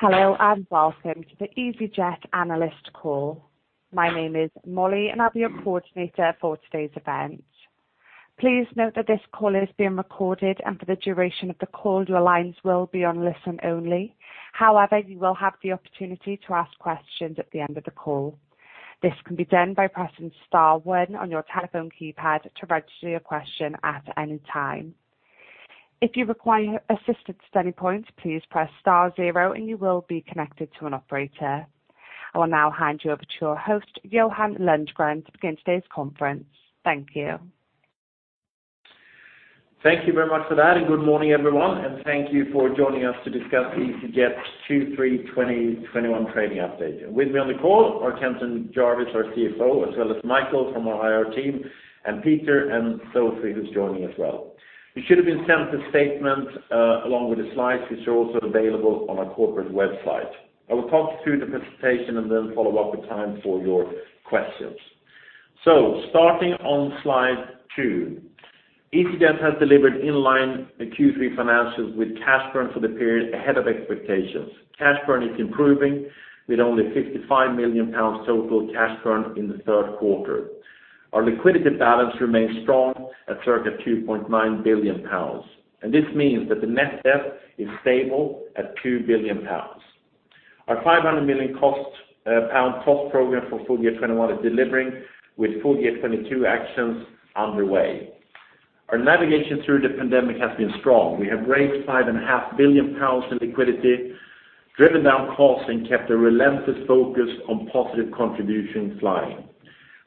Hello, and welcome to the easyJet analyst call. My name is Molly, and I'll be your coordinator for today's event. Please note that this call is being recorded, and for the duration of the call, your lines will be on listen only. However, you will have the opportunity to ask questions at the end of the call. This can be done by pressing star one on your telephone keypad to register your question at any time. If you require assistance at any point, please press star zero and you will be connected to an operator. I will now hand you over to your host, Johan Lundgren, to begin today's conference. Thank you. Thank you very much for that. Good morning, everyone. Thank you for joining us to discuss the easyJet Q3 2021 trading update. With me on the call are Kenton Jarvis, our CFO, as well as Michael from our IR team, and Peter and Sophie, who's joining as well. You should have been sent a statement, along with the slides, which are also available on our corporate website. I will talk through the presentation. Then follow up with time for your questions. Starting on slide two, easyJet has delivered in-line Q3 financials with cash burn for the period ahead of expectations. Cash burn is improving, with only 55 million pounds total cash burn in the third quarter. Our liquidity balance remains strong at circa 2.9 billion pounds. This means that the net debt is stable at 2 billion pounds. Our 500 million pound cost program for full year 2021 is delivering, with full year 2022 actions underway. Our navigation through the pandemic has been strong. We have raised 5.5 billion pounds in liquidity, driven down costs, and kept a relentless focus on positive contribution flying.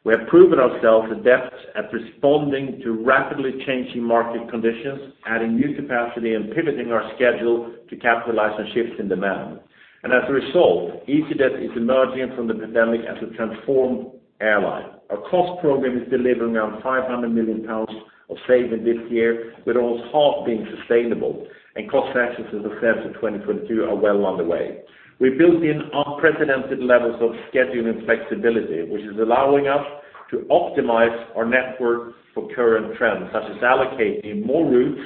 We have proven ourselves adept at responding to rapidly changing market conditions, adding new capacity and pivoting our schedule to capitalize on shifts in demand. As a result, easyJet is emerging from the pandemic as a transformed airline. Our cost program is delivering around 500 million pounds of saving this year, with almost half being sustainable, and cost actions as assessed for 2022 are well underway. We built in unprecedented levels of scheduling flexibility, which is allowing us to optimize our network for current trends, such as allocating more routes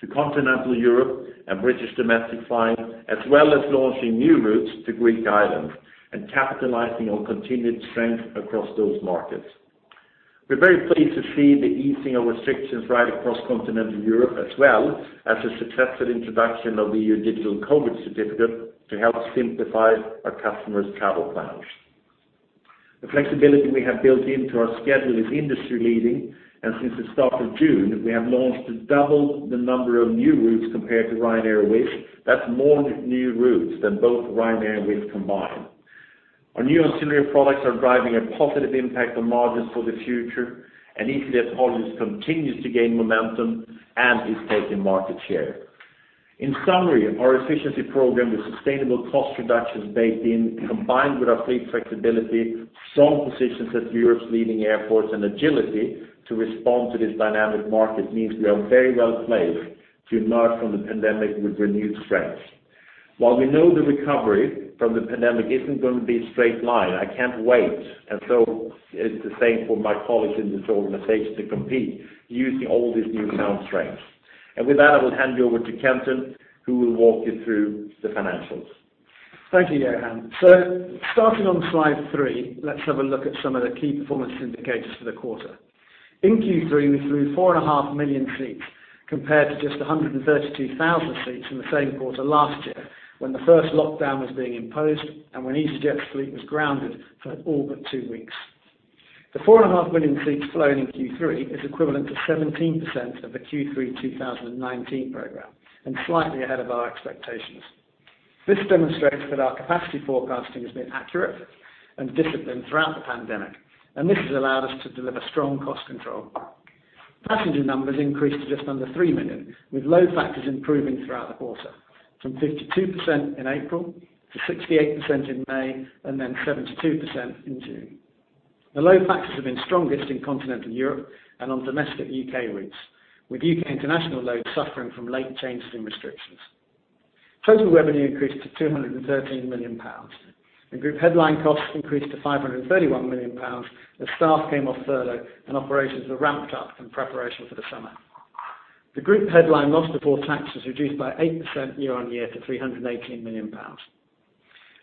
to Continental Europe and British domestic flying, as well as launching new routes to Greek islands and capitalizing on continued strength across those markets. We're very pleased to see the easing of restrictions right across Continental Europe, as well as the successful introduction of the EU Digital COVID Certificate to help simplify our customers' travel plans. The flexibility we have built into our schedule is industry-leading, and since the start of June, we have launched double the number of new routes compared to Ryanair or Wizz. That's more new routes than both Ryanair and Wizz combined. Our new ancillary products are driving a positive impact on margins for the future, and easyJet holidays continues to gain momentum and is taking market share. In summary, our efficiency program, with sustainable cost reductions baked in, combined with our fleet flexibility, strong positions at Europe's leading airports, and agility to respond to this dynamic market, means we are very well-placed to emerge from the pandemic with renewed strength. While we know the recovery from the pandemic isn't going to be a straight line, I can't wait, and so it's the same for my colleagues in this organization, to compete using all these newfound strengths. With that, I will hand you over to Kenton, who will walk you through the financials. Thank you, Johan. Starting on slide three, let's have a look at some of the key performance indicators for the quarter. In Q3, we flew 4.5 million seats compared to just 132,000 seats in the same quarter last year, when the first lockdown was being imposed and when easyJet's fleet was grounded for all but two weeks. The 4.5 million seats flown in Q3 is equivalent to 17% of the Q3 2019 program, and slightly ahead of our expectations. This demonstrates that our capacity forecasting has been accurate and disciplined throughout the pandemic, and this has allowed us to deliver strong cost control. Passenger numbers increased to just under 3 million, with load factors improving throughout the quarter, from 52% in April to 68% in May, and then 72% in June. The load factors have been strongest in Continental Europe and on domestic U.K. routes, with U.K. international loads suffering from late changes in restrictions. Total revenue increased to 213 million pounds. The group headline costs increased to 531 million pounds as staff came off furlough and operations were ramped up in preparation for the summer. The group headline loss before tax was reduced by 8% year-on-year to 318 million pounds.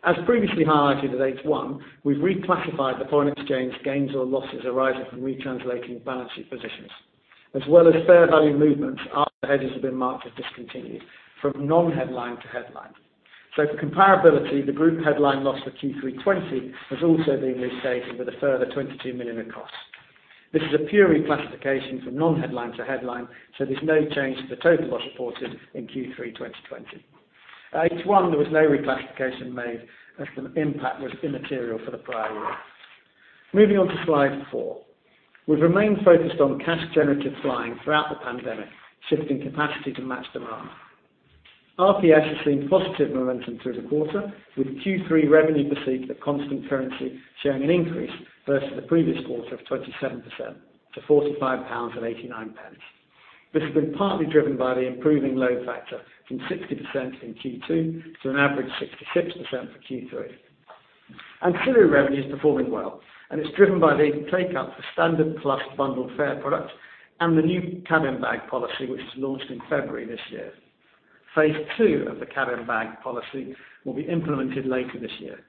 As previously highlighted at H1, we've reclassified the foreign exchange gains or losses arising from retranslating balance sheet positions, as well as fair value movements our hedges have been marked as discontinued from non-headline to headline. For comparability, the group headline loss for Q3 2020 has also been restated with a further 22 million in costs. This is a pure reclassification from non-headline to headline; there's no change to the total loss reported in Q3 2020. At H1, there was no reclassification made as the impact was immaterial for the prior year. Moving on to slide four. We've remained focused on cash-generative flying throughout the pandemic, shifting capacity to match demand. RPS has seen positive momentum through the quarter, with Q3 revenue per seat at constant currency showing an increase versus the previous quarter of 27% to 45.89 pounds. This has been partly driven by the improving load factor from 60% in Q2 to an average 66% for Q3. Ancillary revenue is performing well, and it's driven by the take-up for Standard Plus bundled fare product and the new cabin bag policy, which was launched in February this year. Phase 2 of the cabin bag policy will be implemented later this year.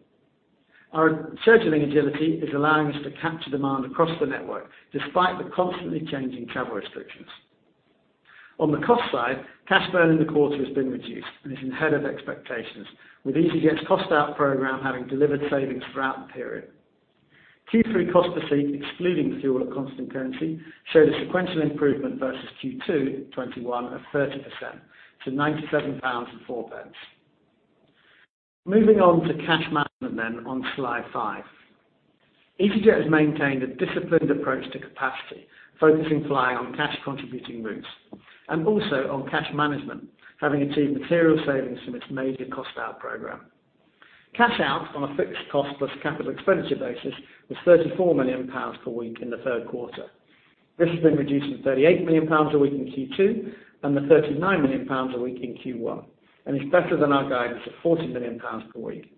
Our scheduling agility is allowing us to capture demand across the network, despite the constantly changing travel restrictions. On the cost side, cash burn in the quarter has been reduced and is ahead of expectations, with easyJet's cost-out program having delivered savings throughout the period. Q3 cost per seat, excluding fuel at constant currency, showed a sequential improvement versus Q2 '21 of 30% to 97.04. Moving on to cash management, then on slide five. easyJet has maintained a disciplined approach to capacity, focusing flying on cash-contributing routes, and also on cash management, having achieved material savings from its major cost-out program. Cash out on a fixed cost plus CapEx basis was 34 million pounds per week in the third quarter. This has been reduced from 38 million pounds a week in Q2 and the 39 million pounds a week in Q1, and is better than our guidance of 40 million pounds per week.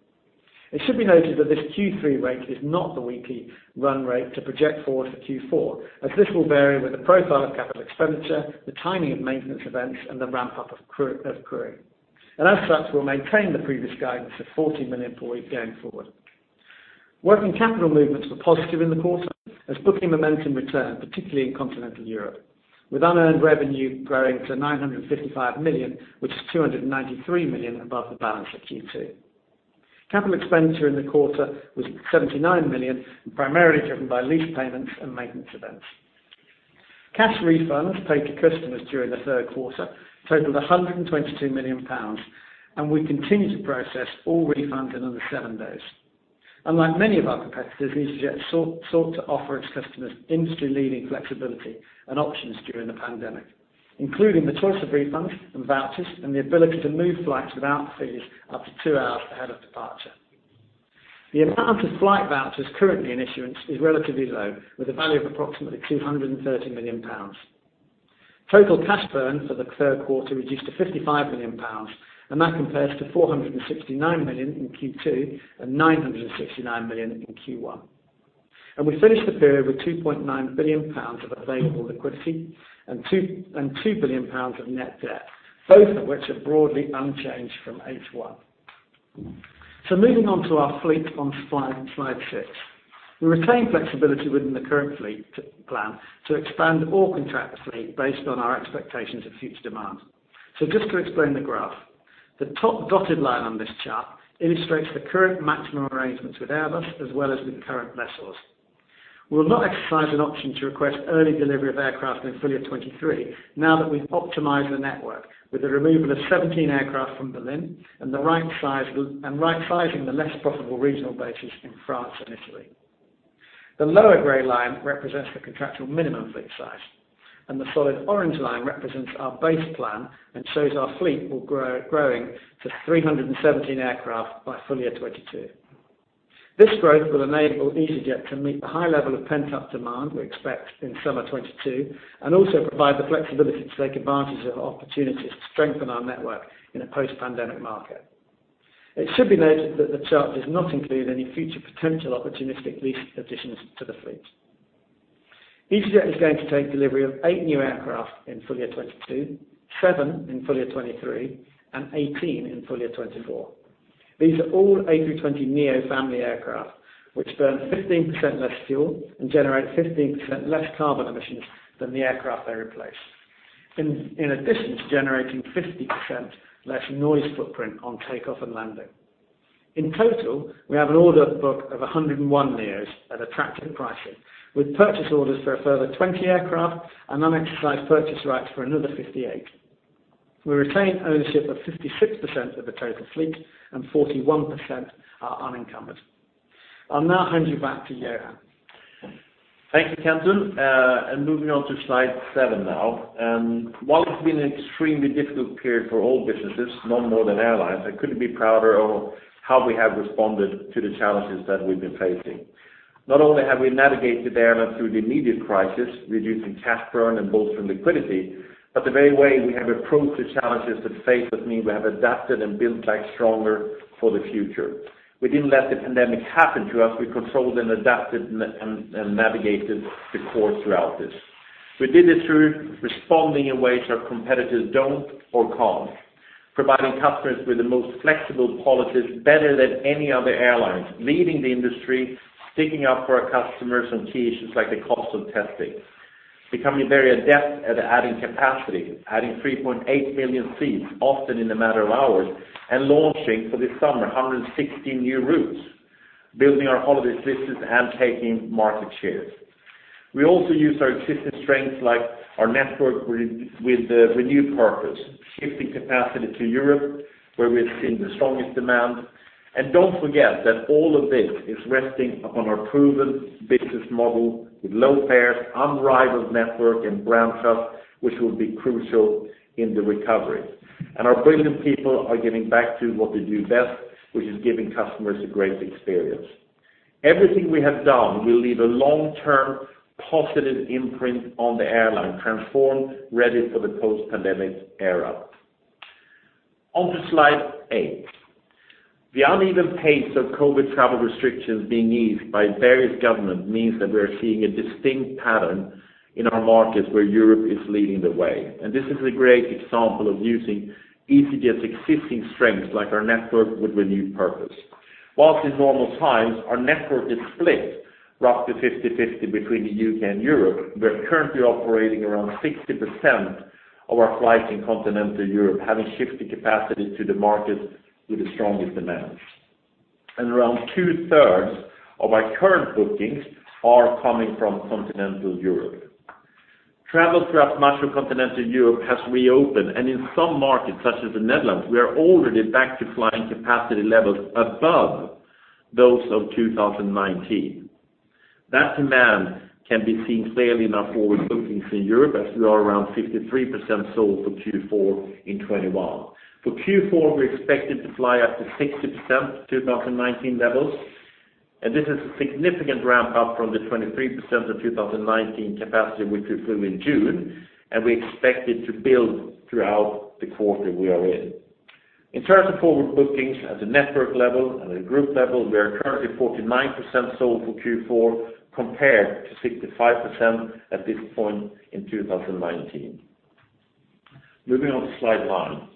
It should be noted that this Q3 rate is not the weekly run rate to project forward for Q4, as this will vary with the profile of capital expenditure, the timing of maintenance events, and the ramp-up of crew. As such, we'll maintain the previous guidance of 40 million per week going forward. Working capital movements were positive in the quarter as booking momentum returned, particularly in continental Europe, with unearned revenue growing to 955 million, which is 293 million above the balance at Q2. Capital expenditure in the quarter was 79 million, primarily driven by lease payments and maintenance events. Cash refunds paid to customers during the third quarter totaled 122 million pounds. We continue to process all refunds in under seven days. Unlike many of our competitors, easyJet sought to offer its customers industry-leading flexibility and options during the pandemic, including the choice of refunds and vouchers and the ability to move flights without fees up to two hours ahead of departure. The amount of flight vouchers currently in issuance is relatively low, with a value of approximately 230 million pounds. Total cash burn for the third quarter reduced to 55 million pounds, and that compares to 469 million in Q2 and 969 million in Q1. We finished the period with 2.9 billion pounds of available liquidity and 2 billion pounds of net debt, both of which are broadly unchanged from H1. Moving on to our fleet on slide six. We retain flexibility within the current fleet plan to expand or contract the fleet based on our expectations of future demand. Just to explain the graph, the top dotted line on this chart illustrates the current maximum arrangements with Airbus as well as with the current lessors. We will not exercise an option to request early delivery of aircraft in full year 2023 now that we've optimized the network with the removal of 17 aircraft from Berlin and right-sizing the less profitable regional bases in France and Italy. The lower gray line represents the contractual minimum fleet size, and the solid orange line represents our base plan and shows our fleet growing to 317 aircraft by full year 2022. This growth will enable easyJet to meet the high level of pent-up demand we expect in summer 2022 and also provide the flexibility to take advantage of opportunities to strengthen our network in a post-pandemic market. It should be noted that the chart does not include any future potential opportunistic lease additions to the fleet. easyJet is going to take delivery of eight new aircraft in full year 2022, seven in full year 2023, and 18 in full year 2024. These are all A320neo family aircraft, which burn 15% less fuel and generate 15% less carbon emissions than the aircraft they replace. In addition to generating 50% less noise footprint on takeoff and landing. In total, we have an order book of 101 neos at attractive pricing, with purchase orders for a further 20 aircraft and unexercised purchase rights for another 58. We retain ownership of 56% of the total fleet, and 41% are unencumbered. I'll now hand you back to Johan. Thank you, Kenton, moving on to slide seven now. While it's been an extremely difficult period for all businesses, none more than airlines, I couldn't be prouder of how we have responded to the challenges that we've been facing. Not only have we navigated the airline through the immediate crisis, reducing cash burn and bolstering liquidity, but the very way we have approached the challenges that face us mean we have adapted and built back stronger for the future. We didn't let the pandemic happen to us. We controlled and adapted, and navigated the course throughout this. We did it through responding in ways our competitors don't or can't. Providing customers with the most flexible policies better than any other airlines, leading the industry, sticking up for our customers on key issues like the cost of testing. Becoming very adept at adding capacity, adding 3.8 million seats, often in a matter of hours, launching, for this summer, 160 new routes, building our holiday business and taking market shares. We also use our existing strengths, like our network, with a renewed purpose, shifting capacity to Europe, where we are seeing the strongest demand. Don't forget that all of this is resting upon our proven business model with low fares, unrivaled network, and brand trust, which will be crucial in the recovery. Our brilliant people are getting back to what they do best, which is giving customers a great experience. Everything we have done will leave a long-term positive imprint on the airline, transformed, ready for the post-pandemic era. On to slide eight. The uneven pace of COVID travel restrictions being eased by various government means that we're seeing a distinct pattern in our markets where Europe is leading the way. This is a great example of using easyJet's existing strengths, like our network, with renewed purpose. Whilst in normal times, our network is split roughly 50/50 between the U.K. and Europe. We're currently operating around 60% of our flights in continental Europe, having shifted capacity to the markets with the strongest demands. Around 2/3 of our current bookings are coming from continental Europe. Travel throughout much of continental Europe has reopened, and in some markets, such as the Netherlands, we are already back to flying capacity levels above those of 2019. That demand can be seen clearly in our forward bookings in Europe, as we are around 53% sold for Q4 in 2021. For Q4, we're expected to fly up to 60% of 2019 levels, and this is a significant ramp-up from the 23% of 2019 capacity, which we flew in June, and we expect it to build throughout the quarter we are in. In terms of forward bookings at a network level and a group level, we are currently 49% sold for Q4, compared to 65% at this point in 2019. Moving on to slide nine.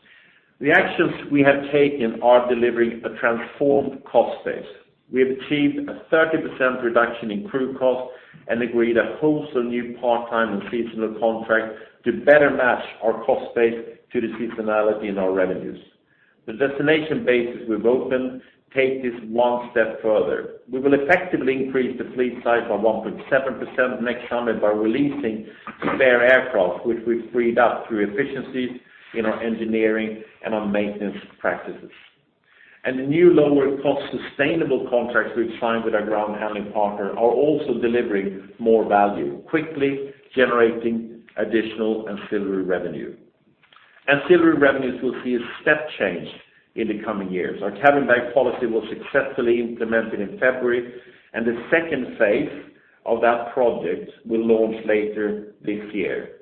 The actions we have taken are delivering a transformed cost base. We have achieved a 30% reduction in crew costs and agreed a wholesale new part-time and seasonal contract to better match our cost base to the seasonality in our revenues. The destination bases we've opened take this one step further. We will effectively increase the fleet size by 1.7% next summer by releasing spare aircraft, which we've freed up through efficiencies in our engineering and our maintenance practices. The new lower cost sustainable contracts we've signed with our ground handling partner are also delivering more value, quickly generating additional ancillary revenue. Ancillary revenues will see a step change in the coming years. Our cabin bag policy was successfully implemented in February, and the second phase of that project will launch later this year.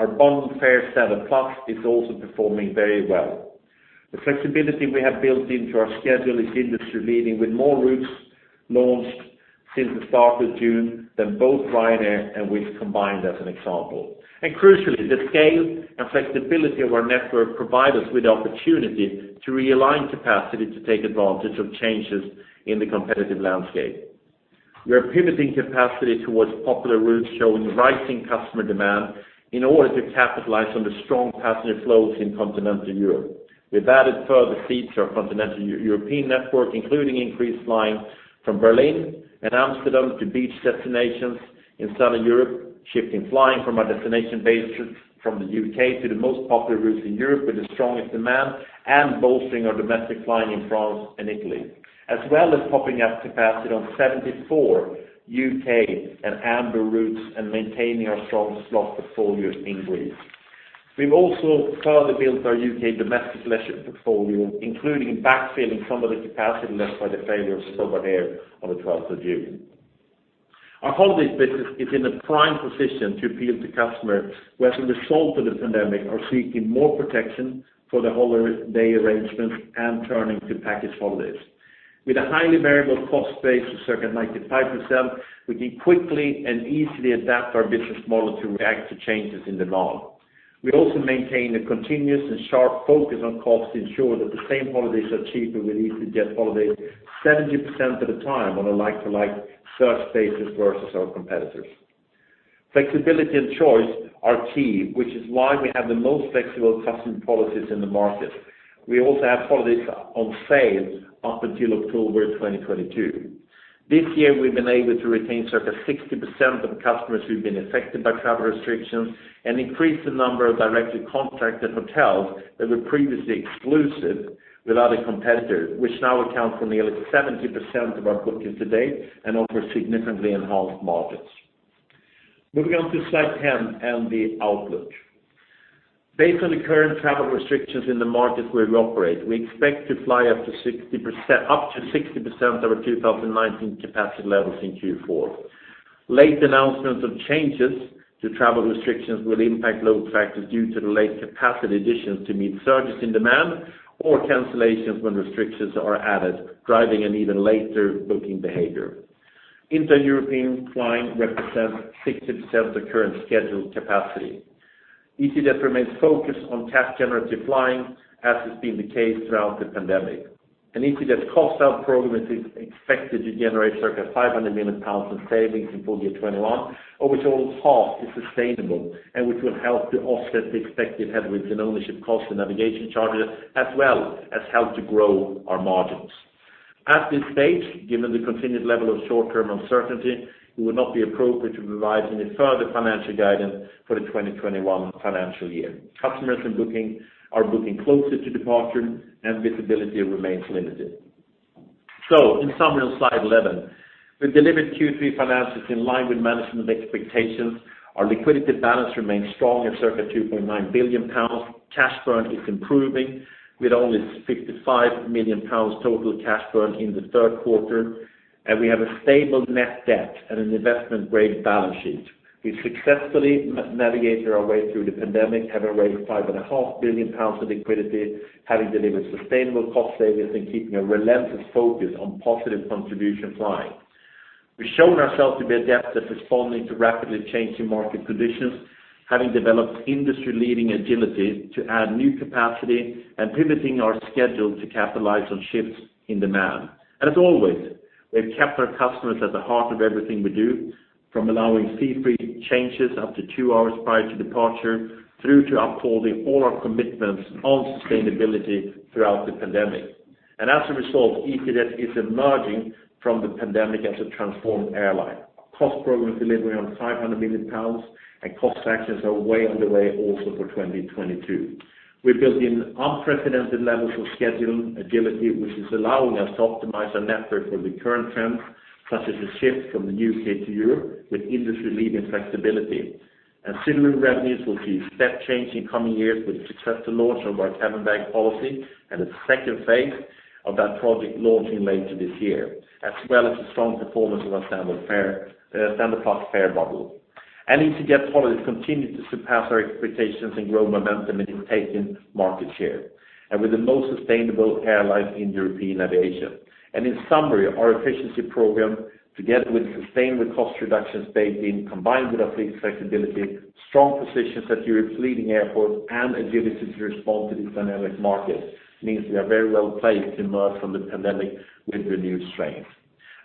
Our bundled fare, Standard Plus, is also performing very well. The flexibility we have built into our schedule is industry-leading, with more routes launched since the start of June than both Ryanair and Wizz combined as an example. Crucially, the scale and flexibility of our network provide us with the opportunity to realign capacity to take advantage of changes in the competitive landscape. We are pivoting capacity towards popular routes showing rising customer demand in order to capitalize on the strong passenger flows in continental Europe. We've added further seats to our continental European network, including increased flying from Berlin and Amsterdam to beach destinations in southern Europe, shifting flying from our destination bases from the U.K. to the most popular routes in Europe with the strongest demand and bolstering our domestic flying in France and Italy, as well as topping up capacity on 74 U.K. and amber routes and maintaining our strong slot portfolios in Greece. We've also further built our U.K. domestic leisure portfolio, including backfilling some of the capacity left by the failure of Stobart Air on the 12th of June. Our easyJet holidays business is in a prime position to appeal to customers who, as a result of the pandemic, are seeking more protection for their holiday arrangements and turning to package holidays. With a highly variable cost base of circa 95%, we can quickly and easily adapt our business model to react to changes in demand. We also maintain a continuous and sharp focus on costs to ensure that the same holidays are cheaper with easyJet holidays 70% of the time on a like-to-like search basis versus our competitors. Flexibility and choice are key, which is why we have the most flexible custom policies in the market. We also have holidays on sale up until October 2022. This year, we've been able to retain circa 60% of customers who've been affected by travel restrictions and increase the number of directly contracted hotels that were previously exclusive with other competitors, which now account for nearly 70% of our bookings to date and offer significantly enhanced margins. Moving on to slide 10 and the outlook. Based on the current travel restrictions in the markets where we operate, we expect to fly up to 60% of our 2019 capacity levels in Q4. Late announcements of changes to travel restrictions will impact load factors due to the late capacity additions to meet surges in demand or cancellations when restrictions are added, driving an even later booking behavior. Inter-European flying represents 60% of current scheduled capacity. easyJet remains focused on cash-generative flying, as has been the case throughout the pandemic. easyJet's cost-out program is expected to generate circa 500 million pounds savings in full year 2021, of which over half is sustainable and which will help to offset the expected headwinds in ownership costs and navigation charges, as well as help to grow our margins. At this stage, given the continued level of short-term uncertainty, it would not be appropriate to provide any further financial guidance for the 2021 financial year. Customers are booking closer to departure, and visibility remains limited. In summary, on slide 11. We've delivered Q3 financials in line with management expectations. Our liquidity balance remains strong at circa 2.9 billion pounds. Cash burn is improving, with only 55 million pounds total cash burn in the third quarter. We have a stable net debt and an investment-grade balance sheet. We've successfully navigated our way through the pandemic, having raised 5.5 billion pounds of liquidity, having delivered sustainable cost savings, keeping a relentless focus on positive contribution flying. We've shown ourselves to be adept at responding to rapidly changing market conditions, having developed industry-leading agility to add new capacity and pivoting our schedule to capitalize on shifts in demand. As always, we've kept our customers at the heart of everything we do, from allowing fee-free changes up to two hours prior to departure, through to upholding all our commitments on sustainability throughout the pandemic. As a result, easyJet is emerging from the pandemic as a transformed airline. Our cost program is delivering on 500 million pounds, cost actions are way underway also for 2022. We've built in unprecedented levels of scheduling agility, which is allowing us to optimize our network for the current trends, such as the shift from the U.K. to Europe, with industry-leading flexibility. Ancillary revenues will see a step change in coming years with the successful launch of our cabin bag policy and the second phase of that project launching later this year, as well as the strong performance of our Standard Plus fare model. easyJet holidays continued to surpass our expectations and grow momentum in taking market share. We're the most sustainable airline in European aviation. In summary, our efficiency program, together with sustainable cost reductions baked in, combined with our fleet flexibility, strong positions at Europe's leading airports, and agility to respond to this dynamic market, means we are very well placed to emerge from the pandemic with renewed strength.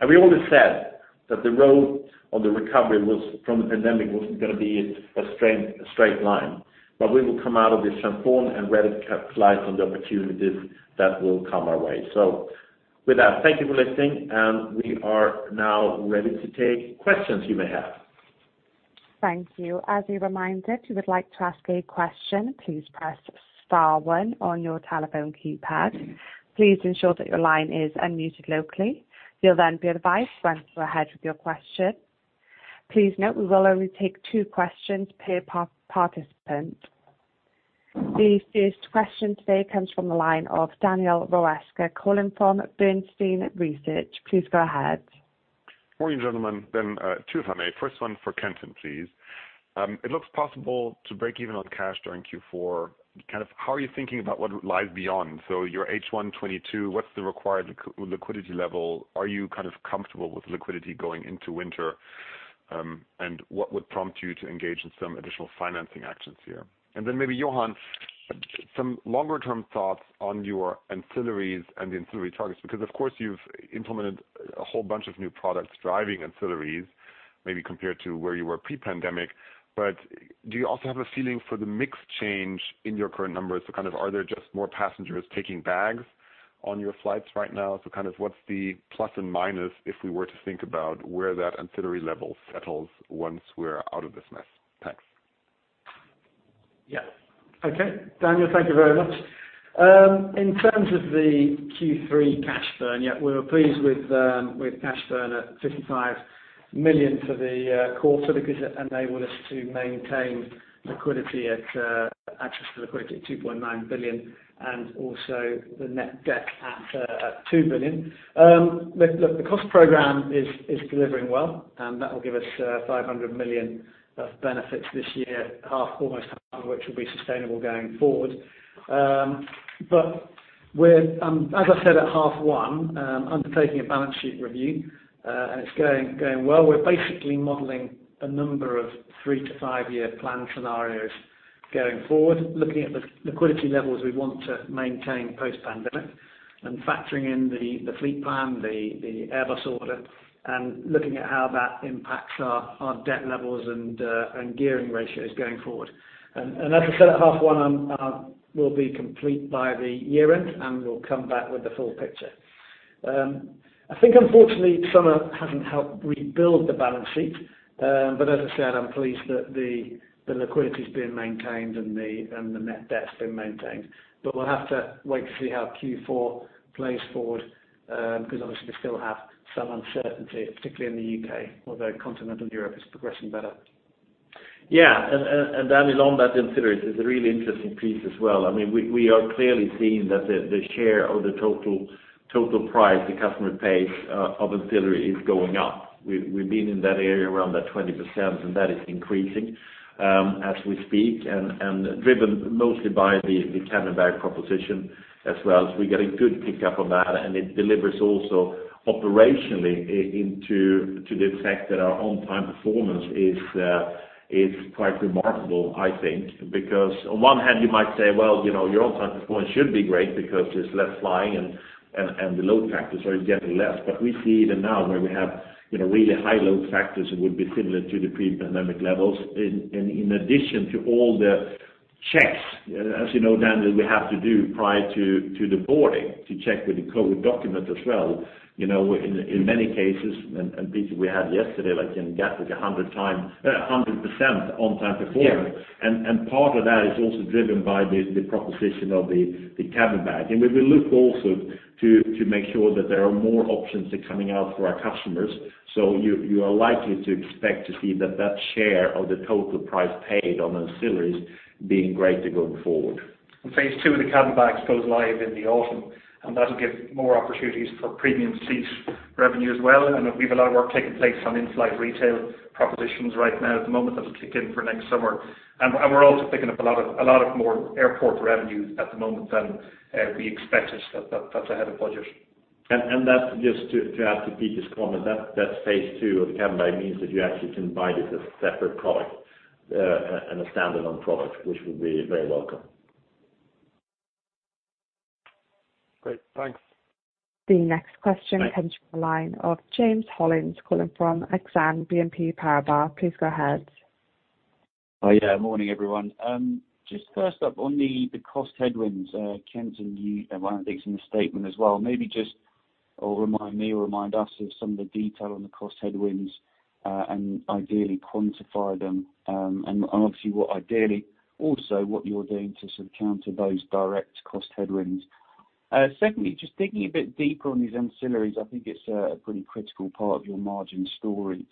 We always said that the road on the recovery from the pandemic wasn't going to be a straight line, but we will come out of this transformed and ready to capitalize on the opportunities that will come our way. With that, thank you for listening, and we are now ready to take questions you may have. Thank you. As a reminder, if you would like to ask a question, please press star one on your telephone keypad. Please ensure that your line is unmuted locally. You'll then be advised once we're ahead with your question. Please note we will only take two questions per participant. The first question today comes from the line of Daniel Roeska, calling from Bernstein Research. Please go ahead. Morning, gentlemen. Two from me. First one for Kenton, please. It looks possible to break even on cash during Q4. How are you thinking about what lies beyond? Your H1 '22, what's the required liquidity level? Are you comfortable with liquidity going into winter? What would prompt you to engage in some additional financing actions here? Then maybe Johan, some longer-term thoughts on your ancillaries and the ancillary targets, because of course, you've implemented a whole bunch of new products driving ancillaries, maybe compared to where you were pre-pandemic. Do you also have a feeling for the mix change in your current numbers? Are there just more passengers taking bags on your flights right now? What's the plus and minus if we were to think about where that ancillary level settles once we're out of this mess? Thanks. Okay. Daniel, thank you very much. In terms of the Q3 cash burn, we were pleased with cash burn at 55 million for the quarter because it enabled us to maintain access to liquidity at 2.9 billion and also the net debt at 2 billion. The cost program is delivering well, and that will give us 500 million of benefits this year, almost half of which will be sustainable going forward. We're, as I said at H1, undertaking a balance sheet review, and it's going well. We're basically modeling a number of three to five-year plan scenarios going forward, looking at the liquidity levels we want to maintain post-pandemic and factoring in the fleet plan, the Airbus order, and looking at how that impacts our debt levels and gearing ratios going forward. As I said at 1:30 P.M., we'll be complete by the year-end, and we'll come back with the full picture. I think, unfortunately, summer hasn't helped rebuild the balance sheet. As I said, I'm pleased that the liquidity's been maintained and the net debt's been maintained. We'll have to wait to see how Q4 plays forward, because obviously we still have some uncertainty, particularly in the U.K., although continental Europe is progressing better. Yeah. Daniel, on that ancillary, there's a really interesting piece as well. We are clearly seeing that the share of the total price the customer pays of ancillary is going up. We've been in that area around that 20%, and that is increasing as we speak and driven mostly by the cabin bag proposition as well. We're getting good pickup on that, and it delivers also operationally into the fact that our on-time performance is quite remarkable, I think. On one hand, you might say, well, your on-time performance should be great because there's less flying and the load factors are getting less. We see it now where we have really high load factors that would be similar to the pre-pandemic levels. In addition to all the checks. As you know, Daniel, we have to do prior to the boarding to check with the COVID document as well. In many cases, Peter, we had yesterday, like in Gatwick, 100% on time performance. Part of that is also driven by the proposition of the cabin bag. We will look also to make sure that there are more options coming out for our customers. You are likely to expect to see that that share of the total price paid on ancillaries being greater going forward. Phase 2 of the cabin bags goes live in the autumn, that'll give more opportunities for premium seat revenue as well. We've a lot of work taking place on in-flight retail propositions right now at the moment that'll kick in for next summer. We're also picking up a lot of more airport revenue at the moment than we expected. That's ahead of budget. Just to add to Peter's comment, that phase 2 of the cabin bag means that you actually can buy this as a separate product and a standalone product, which will be very welcome. Great. Thanks. The next question comes from the line of James Hollins calling from Exane BNP Paribas. Please go ahead. Yeah. Morning, everyone. Just first up on the cost headwinds, Kenton you, I think it's in the statement as well. Maybe just remind me or remind us of some of the detail on the cost headwinds, ideally quantify them. Obviously, ideally, also what you're doing to sort of counter those direct cost headwinds. Secondly, just digging a bit deeper on these ancillaries, I think it's a pretty critical part of your margin story.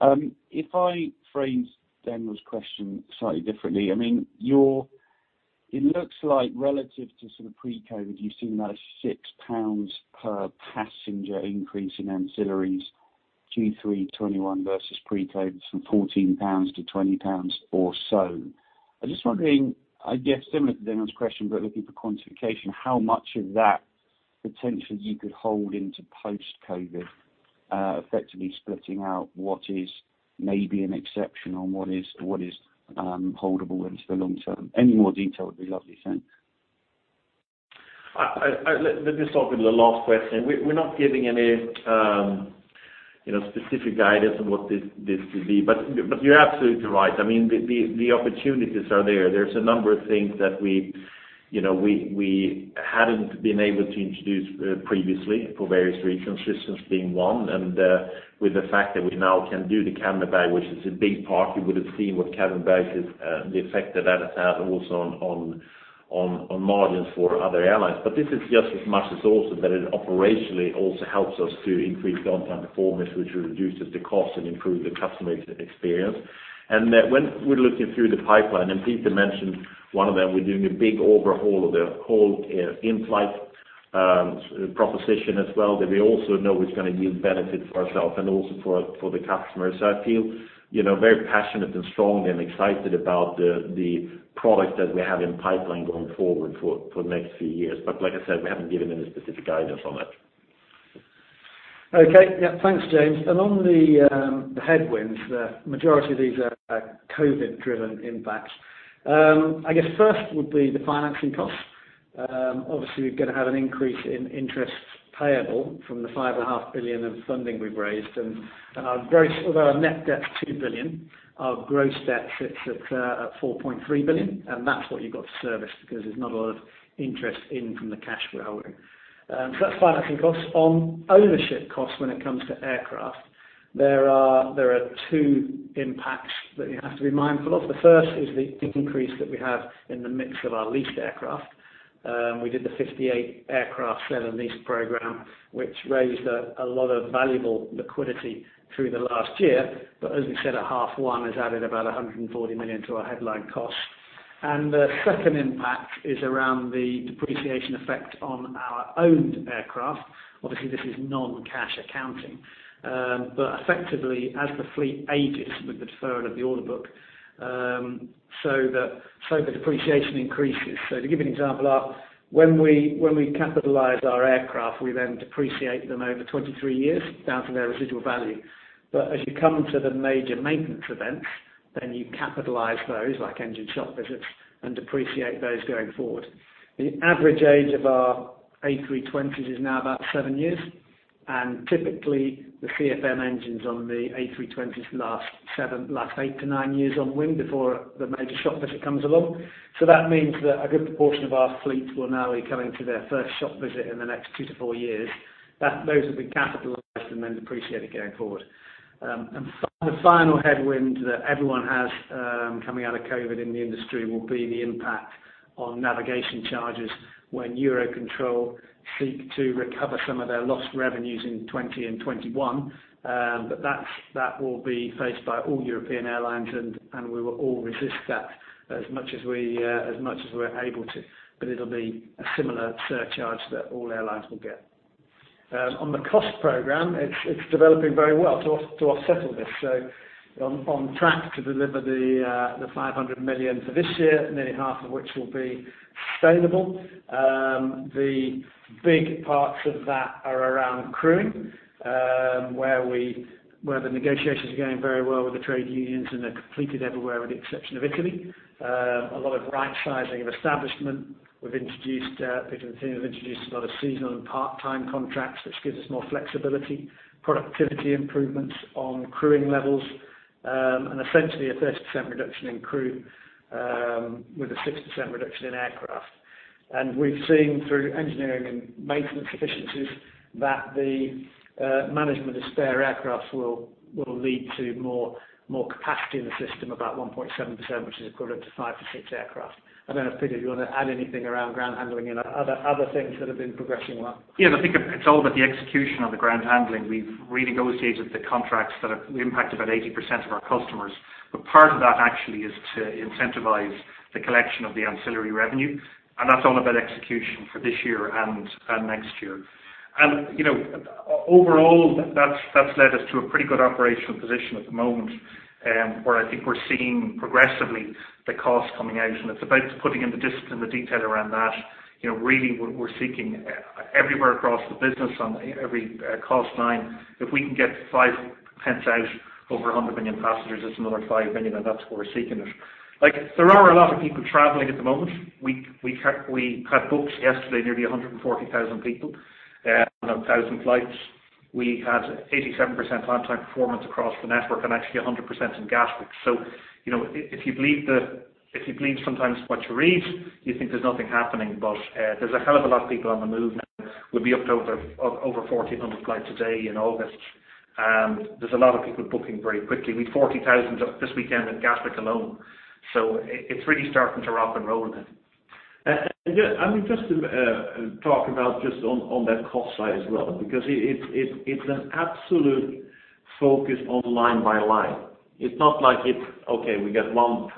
If I frame Daniel's question slightly differently, it looks like relative to sort of pre-COVID, you've seen about 6 pounds per passenger increase in ancillaries, Q3 '21 versus pre-COVID, from GBP 14-GBP 20 or so. I'm just wondering, I guess similar to Daniel's question, looking for quantification, how much of that potentially you could hold into post-COVID, effectively splitting out what is maybe an exception on what is holdable into the long term. Any more detail would be lovely. Thanks. Let me start with the last question. We're not giving any specific guidance on what this could be, but you're absolutely right. The opportunities are there. There's a number of things that we hadn't been able to introduce previously for various reasons, systems being one, and with the fact that we now can do the cabin bag, which is a big part. You would've seen what cabin bags is, the effect that has had also on margins for other airlines. This is just as much as also that it operationally also helps us to increase on-time performance, which reduces the cost and improve the customer experience. That when we're looking through the pipeline, and Peter mentioned one of them, we're doing a big overhaul of the whole in-flight proposition as well. That we also know it's going to yield benefit for ourself and also for the customer. I feel very passionate and strong and excited about the product that we have in pipeline going forward for the next few years. Like I said, we haven't given any specific guidance on it. Okay. Yeah. Thanks, James. On the headwinds, the majority of these are COVID-driven impacts. I guess first would be the financing cost. Obviously, we're going to have an increase in interest payable from the 5.5 billion of funding we've raised. Although our net debt's 2 billion, our gross debt sits at 4.3 billion, and that's what you've got to service because there's not a lot of interest in from the cash we're holding. That's financing costs. On ownership costs when it comes to aircraft, there are two impacts that you have to be mindful of. The first is the increase that we have in the mix of our leased aircraft. We did the 58 aircraft sale and lease program, which raised a lot of valuable liquidity through the last year. As we said at half one, has added about 140 million to our headline cost. The second impact is around the depreciation effect on our owned aircraft. Obviously, this is non-cash accounting. Effectively, as the fleet ages with the deferral of the order book, so the depreciation increases. To give you an example, when we capitalize our aircraft, we then depreciate them over 23 years down to their residual value. As you come to the major maintenance events, then you capitalize those, like engine shop visits, and depreciate those going forward. The average age of our A320s is now about seven years, and typically the CFM engines on the A320s last eight to nine years on wing before the major shop visit comes along. That means that a good proportion of our fleet will now be coming to their first shop visit in the next two to four years, that those have been capitalized and then depreciated going forward. The final headwind that everyone has coming out of COVID in the industry will be the impact on navigation charges when EUROCONTROL seek to recover some of their lost revenues in 2020 and 2021. That will be faced by all European airlines, and we will all resist that as much as we're able to. It'll be a similar surcharge that all airlines will get. On the cost program, it's developing very well to offset all this. On track to deliver the 500 million for this year, nearly half of which will be sustainable. The big parts of that are around crewing, where the negotiations are going very well with the trade unions, and they're completed everywhere with the exception of Italy. A lot of right-sizing of establishment. Peter and the team have introduced a lot of seasonal and part-time contracts, which gives us more flexibility. Productivity improvements on crewing levels. Essentially, a 30% reduction in crew with a 6% reduction in aircraft. We've seen through engineering and maintenance efficiencies that the management of spare aircraft will lead to more capacity in the system, about 1.7%, which is equivalent to five, six aircraft. I don't know, Peter, do you want to add anything around ground handling and other things that have been progressing well? Yes, I think it is all about the execution on the ground handling. We have renegotiated the contracts that impact about 80% of our customers. Part of that actually is to incentivize the collection of the ancillary revenue, and that is all about execution for this year and next year. Overall, that has led us to a pretty good operational position at the moment, where I think we are seeing progressively the cost coming out, and it is about putting in the discipline, the detail around that. Really, we are seeking everywhere across the business, on every cost line. If we can get 0.05 out over 100 million passengers, it is another 5 million, and that is where we are seeking it. There are a lot of people traveling at the moment. We had booked yesterday nearly 140,000 people on 1,000 flights. We had 87% on-time performance across the network, and actually 100% in Gatwick. If you believe sometimes what you read, you think there's nothing happening, but there's a hell of a lot of people on the move now. We'll be up to over 1,400 flights a day in August, and there's a lot of people booking very quickly. We'd 40,000 this weekend at Gatwick alone. It's really starting to rock and roll then. Just to talk about just on that cost side as well, because it's an absolute focus on line by line. It's not like it's okay, we got one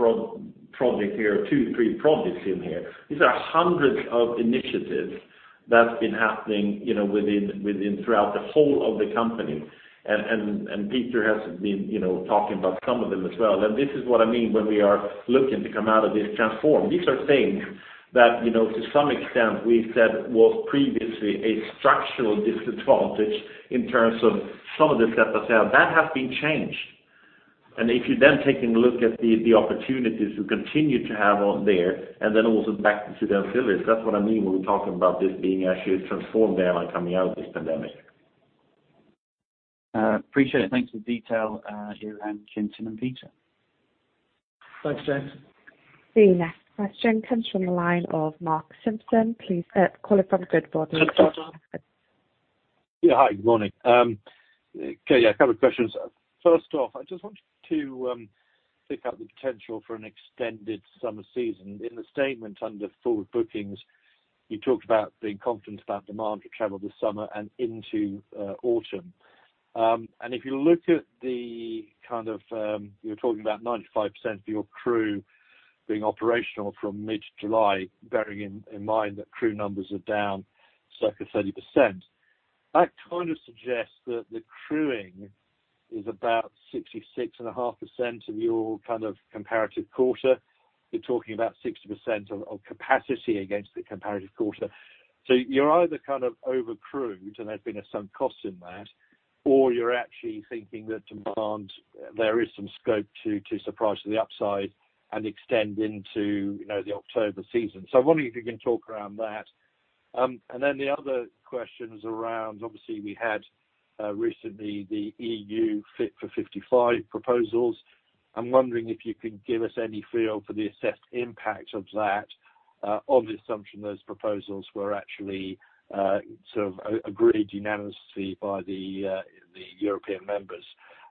project here or two, three projects in here. These are hundreds of initiatives that's been happening within throughout the whole of the company. Peter has been talking about some of them as well. This is what I mean when we are looking to come out of this transformed. These are things that, to some extent, we've said was previously a structural disadvantage in terms of some of the steps that have been changed. If you're then taking a look at the opportunities we continue to have on there and then also back to the ancillaries, that's what I mean when we talk about this being actually a transformed airline coming out of this pandemic. Appreciate it. Thanks for the detail there, Johan, Kenton and Peter. Thanks, James. The next question comes from the line of Mark Simpson, please. Caller from Goodbody. Hi, good morning. I have two questions. First off, I just wanted to pick out the potential for an extended summer season. In the statement under forward bookings, you talked about being confident about demand for travel this summer and into autumn. If you look at, you were talking about 95% of your crew being operational from mid-July, bearing in mind that crew numbers are down circa 30%. That kind of suggests that the crewing is about 66.5% of your kind of comparative quarter. You're talking about 60% of capacity against the comparative quarter. You're either kind of overcrewed, and there's been some cost in that, or you're actually thinking that demand there is some scope to surprise to the upside and extend into the October season. I wonder if you can talk around that. The other question is around, obviously, we had recently the EU Fit for 55 proposals. I'm wondering if you could give us any feel for the assessed impact of that, on the assumption those proposals were actually sort of agreed unanimously by the European members.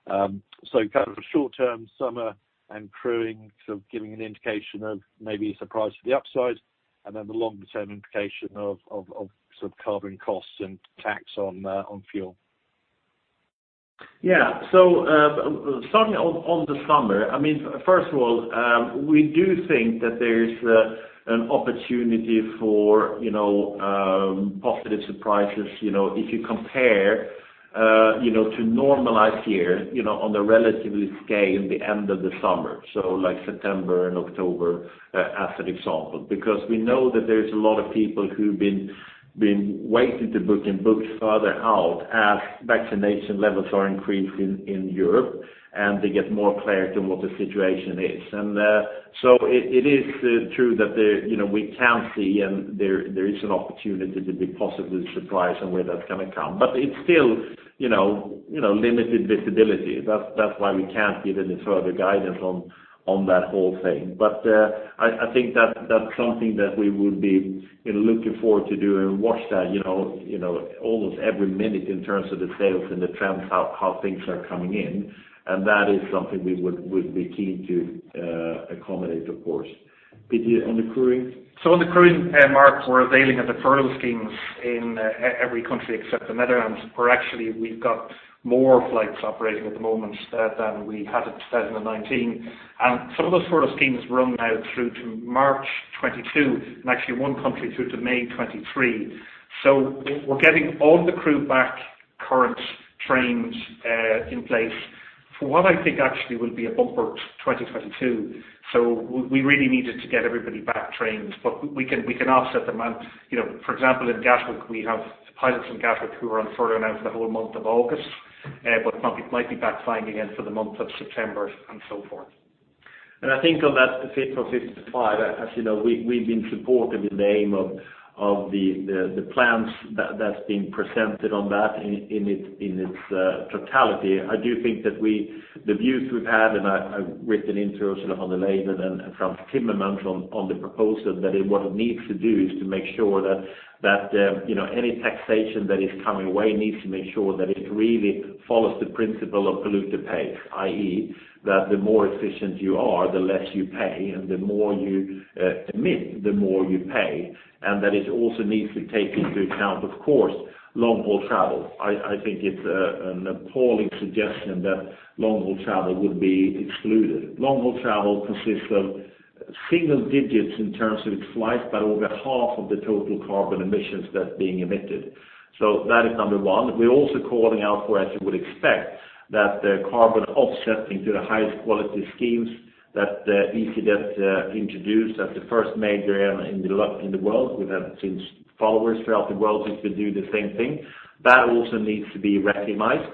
Kind of a short-term summer and crewing sort of giving an indication of maybe surprise to the upside, and then the longer term implication of sort of carbon costs and tax on fuel. Yeah. Starting on the summer, first of all, we do think that there is an opportunity for positive surprises if you compare to normalize here on the relatively scale the end of the summer, so like September and October as an example. We know that there's a lot of people who've been waiting to book and book further out as vaccination levels are increasing in Europe, and they get more clarity on what the situation is. It is true that we can see, and there is an opportunity to be positively surprised on where that's going to come. It's still limited visibility. That's why we can't give any further guidance on that whole thing. I think that's something that we would be looking forward to do and watch that almost every minute in terms of the sales and the trends, how things are coming in, and that is something we would be keen to accommodate, of course. Peter, on the crewing. On the crewing, Mark, we're availing of the furlough schemes in every country except the Netherlands, where actually we've got more flights operating at the moment than we had in 2019. Some of those furlough schemes run now through to March 2022, and actually one country through to May 2023. We're getting all the crew back current trained in place for what I think actually will be a bumper 2022. We really needed to get everybody back trained. We can offset the amount. For example, in Gatwick, we have pilots from Gatwick who are on furlough now for the whole month of August, but might be back flying again for the month of September and so forth. I think on that Fit for 55, as you know, we've been supportive in the aim of the plans that's been presented on that in its totality. I do think that the views we've had, I've written in to sort of and Frans Timmermans on the proposal, that what it needs to do is to make sure that any taxation that is coming its way needs to make sure that it really follows the principle of polluter pays, i.e., that the more efficient you are, the less you pay, and the more you emit, the more you pay. That it also needs to take into account, of course, long-haul travel. I think it's an appalling suggestion that long-haul travel would be excluded. Long-haul travel consists of single digits in terms of its flights, but over half of the total carbon emissions that's being emitted. That is number one. We're also calling out for, as you would expect, that the carbon offsetting to the highest quality schemes that easyJet introduced as the first major in the world. We've had since followers throughout the world who could do the same thing. That also needs to be recognized.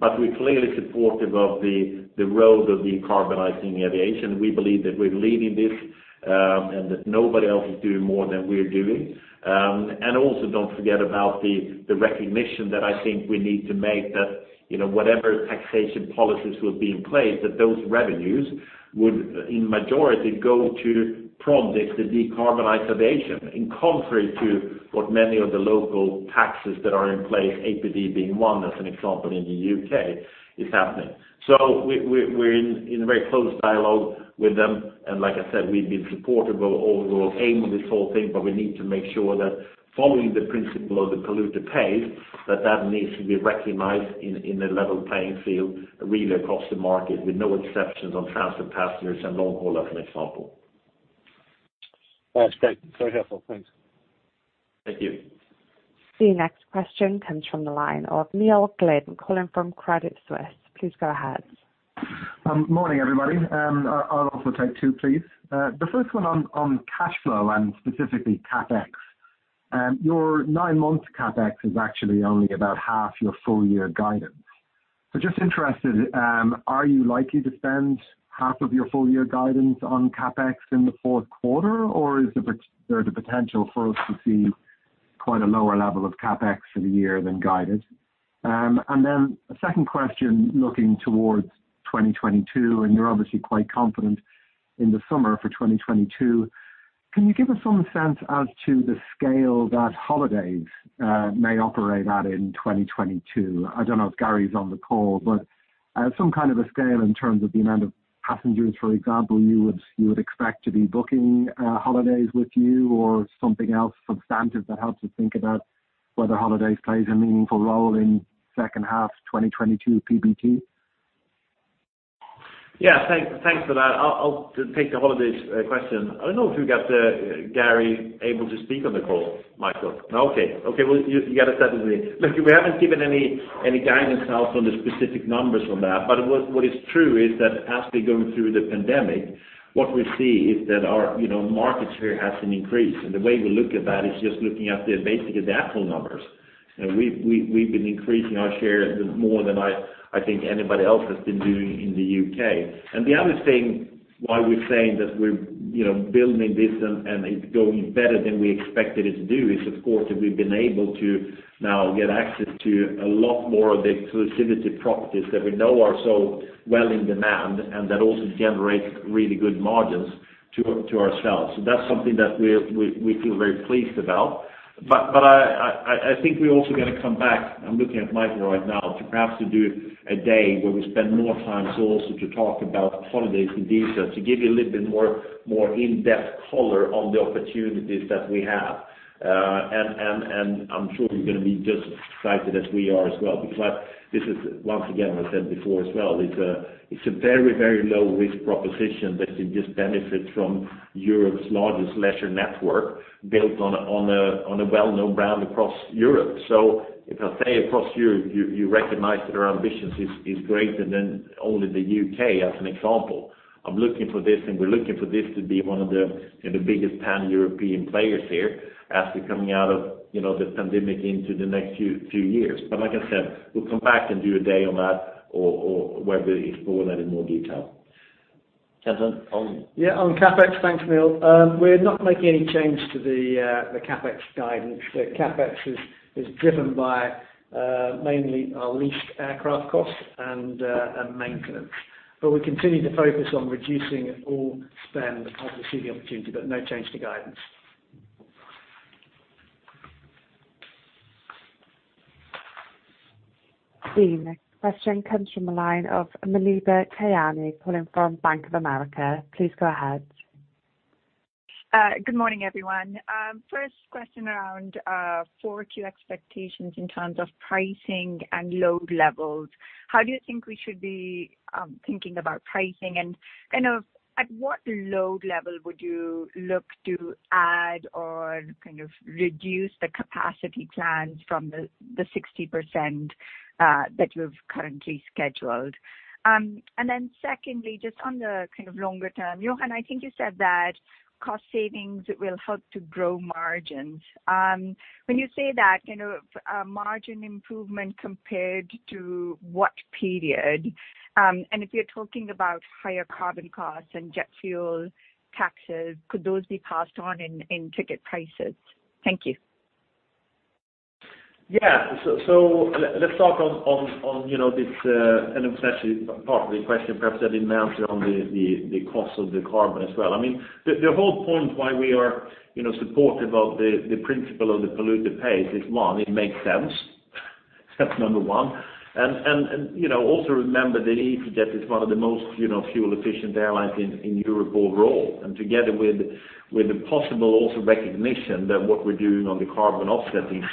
We're clearly supportive of the road of decarbonizing aviation. We believe that we're leading this, and that nobody else is doing more than we're doing. Also, don't forget about the recognition that I think we need to make that, whatever taxation policies will be in place, that those revenues would, in majority, go to projects to decarbonize aviation, in contrary to what many of the local taxes that are in place, APD being 1, as an example, in the U.K., is happening. We're in a very close dialogue with them. Like I said, we've been supportive of the overall aim of this whole thing, but we need to make sure that following the principle of the polluter pays, that needs to be recognized in a level playing field, really across the market, with no exceptions on transfer passengers and long-haul, as an example. That's great. Very helpful. Thanks. Thank you. The next question comes from the line of Neil Glynn, calling from Credit Suisse. Please go ahead. Morning, everybody. I'll also take two, please. The one on cash flow and specifically CapEx. Your nine-month CapEx is actually only about half your full-year guidance. Just interested, are you likely to spend half of your full year guidance on CapEx in the Q4? Is there the potential for us to see quite a lower level of CapEx for the year than guided? Then a second question, looking towards 2022, and you're obviously quite confident in the summer for 2022. Can you give us some sense as to the scale that easyJet holidays may operate at in 2022? I don't know if Gary's on the call, some kind of a scale in terms of the amount of passengers, for example, you would expect to be booking holidays with you or something else substantive that helps us think about whether holidays plays a meaningful role in second half 2022 PBT. Yeah. Thanks for that. I'll take the holidays question. I don't know if you got Gary able to speak on the call, Michael. Okay. Well, you got it separately. Look, we haven't given any guidance out on the specific numbers on that. What is true is that as we're going through the pandemic, what we see is that our market share has an increase. The way we look at that is just looking at the basic numbers. We've been increasing our share more than I think anybody else has been doing in the U.K. The other thing why we're saying that we're building this and it's going better than we expected it to do is, of course, that we've been able to now get access to a lot more of the exclusivity properties that we know are so well in demand and that also generate really good margins to ourselves. That's something that we feel very pleased about. I think we're also going to come back, I'm looking at Michael right now, to perhaps to do a day where we spend more time also to talk about holidays in detail, to give you a little bit more in-depth color on the opportunities that we have. I'm sure you're going to be just as excited as we are as well, because this is, once again, as I said before as well, it's a very, very low-risk proposition that you just benefit from Europe's largest leisure network built on a well-known brand across Europe. If I say across Europe, you recognize that our ambitions is greater than only the U.K., as an example. We're looking for this to be one of the biggest pan-European players here as we're coming out of the pandemic into the next few years. Like I said, we'll come back and do a day on that or whether it's more than in more detail. Gentlemen, Kenton? On CapEx. Thanks, Neil. We're not making any change to the CapEx guidance. The CapEx is driven by mainly our leased aircraft costs and maintenance. We continue to focus on reducing all spend as we see the opportunity, but no change to guidance. The next question comes from the line of Muneeba Kayani, calling from Bank of America. Please go ahead. Good morning, everyone. First question around 4Q expectations in terms of pricing and load levels. How do you think we should be thinking about pricing, and kind of at what load level would you look to add or kind of reduce the capacity plans from the 60% that you've currently scheduled? Secondly, just on the kind of longer term, Johan, I think you said that cost savings will help to grow margins. When you say that, kind of margin improvement compared to what period? If you're talking about higher carbon costs and jet fuel taxes, could those be passed on in ticket prices? Thank you. Let's start on this, and especially part of the question, perhaps I didn't answer on the cost of the carbon as well. I mean, the whole point why we are supportive of the principle of the polluter pays is one it makes sense. That's number one. Also, remember that easyJet is one of the most fuel-efficient airlines in Europe overall. Together with the possible also recognition that what we're doing on the carbon offsetting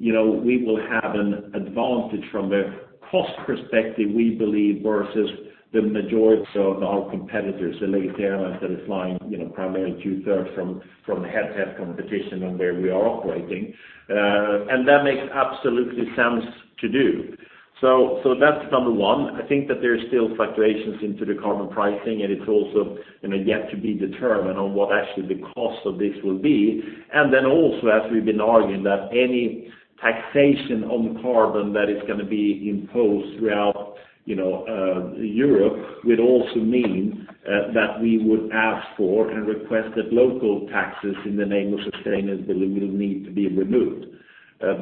schemes, we will have an advantage from a cost perspective, we believe, versus the majority of our competitors, the legacy airlines that are flying primarily 2/3 from head-to-head competition on where we are operating. That makes absolute sense to do. That's number one. I think that there's still fluctuations into the carbon pricing, and it's also yet to be determined on what actually the cost of this will be. As we've been arguing, that any taxation on carbon that is going to be imposed throughout Europe would also mean that we would ask for and request that local taxes in the name of sustainables will need to be removed. It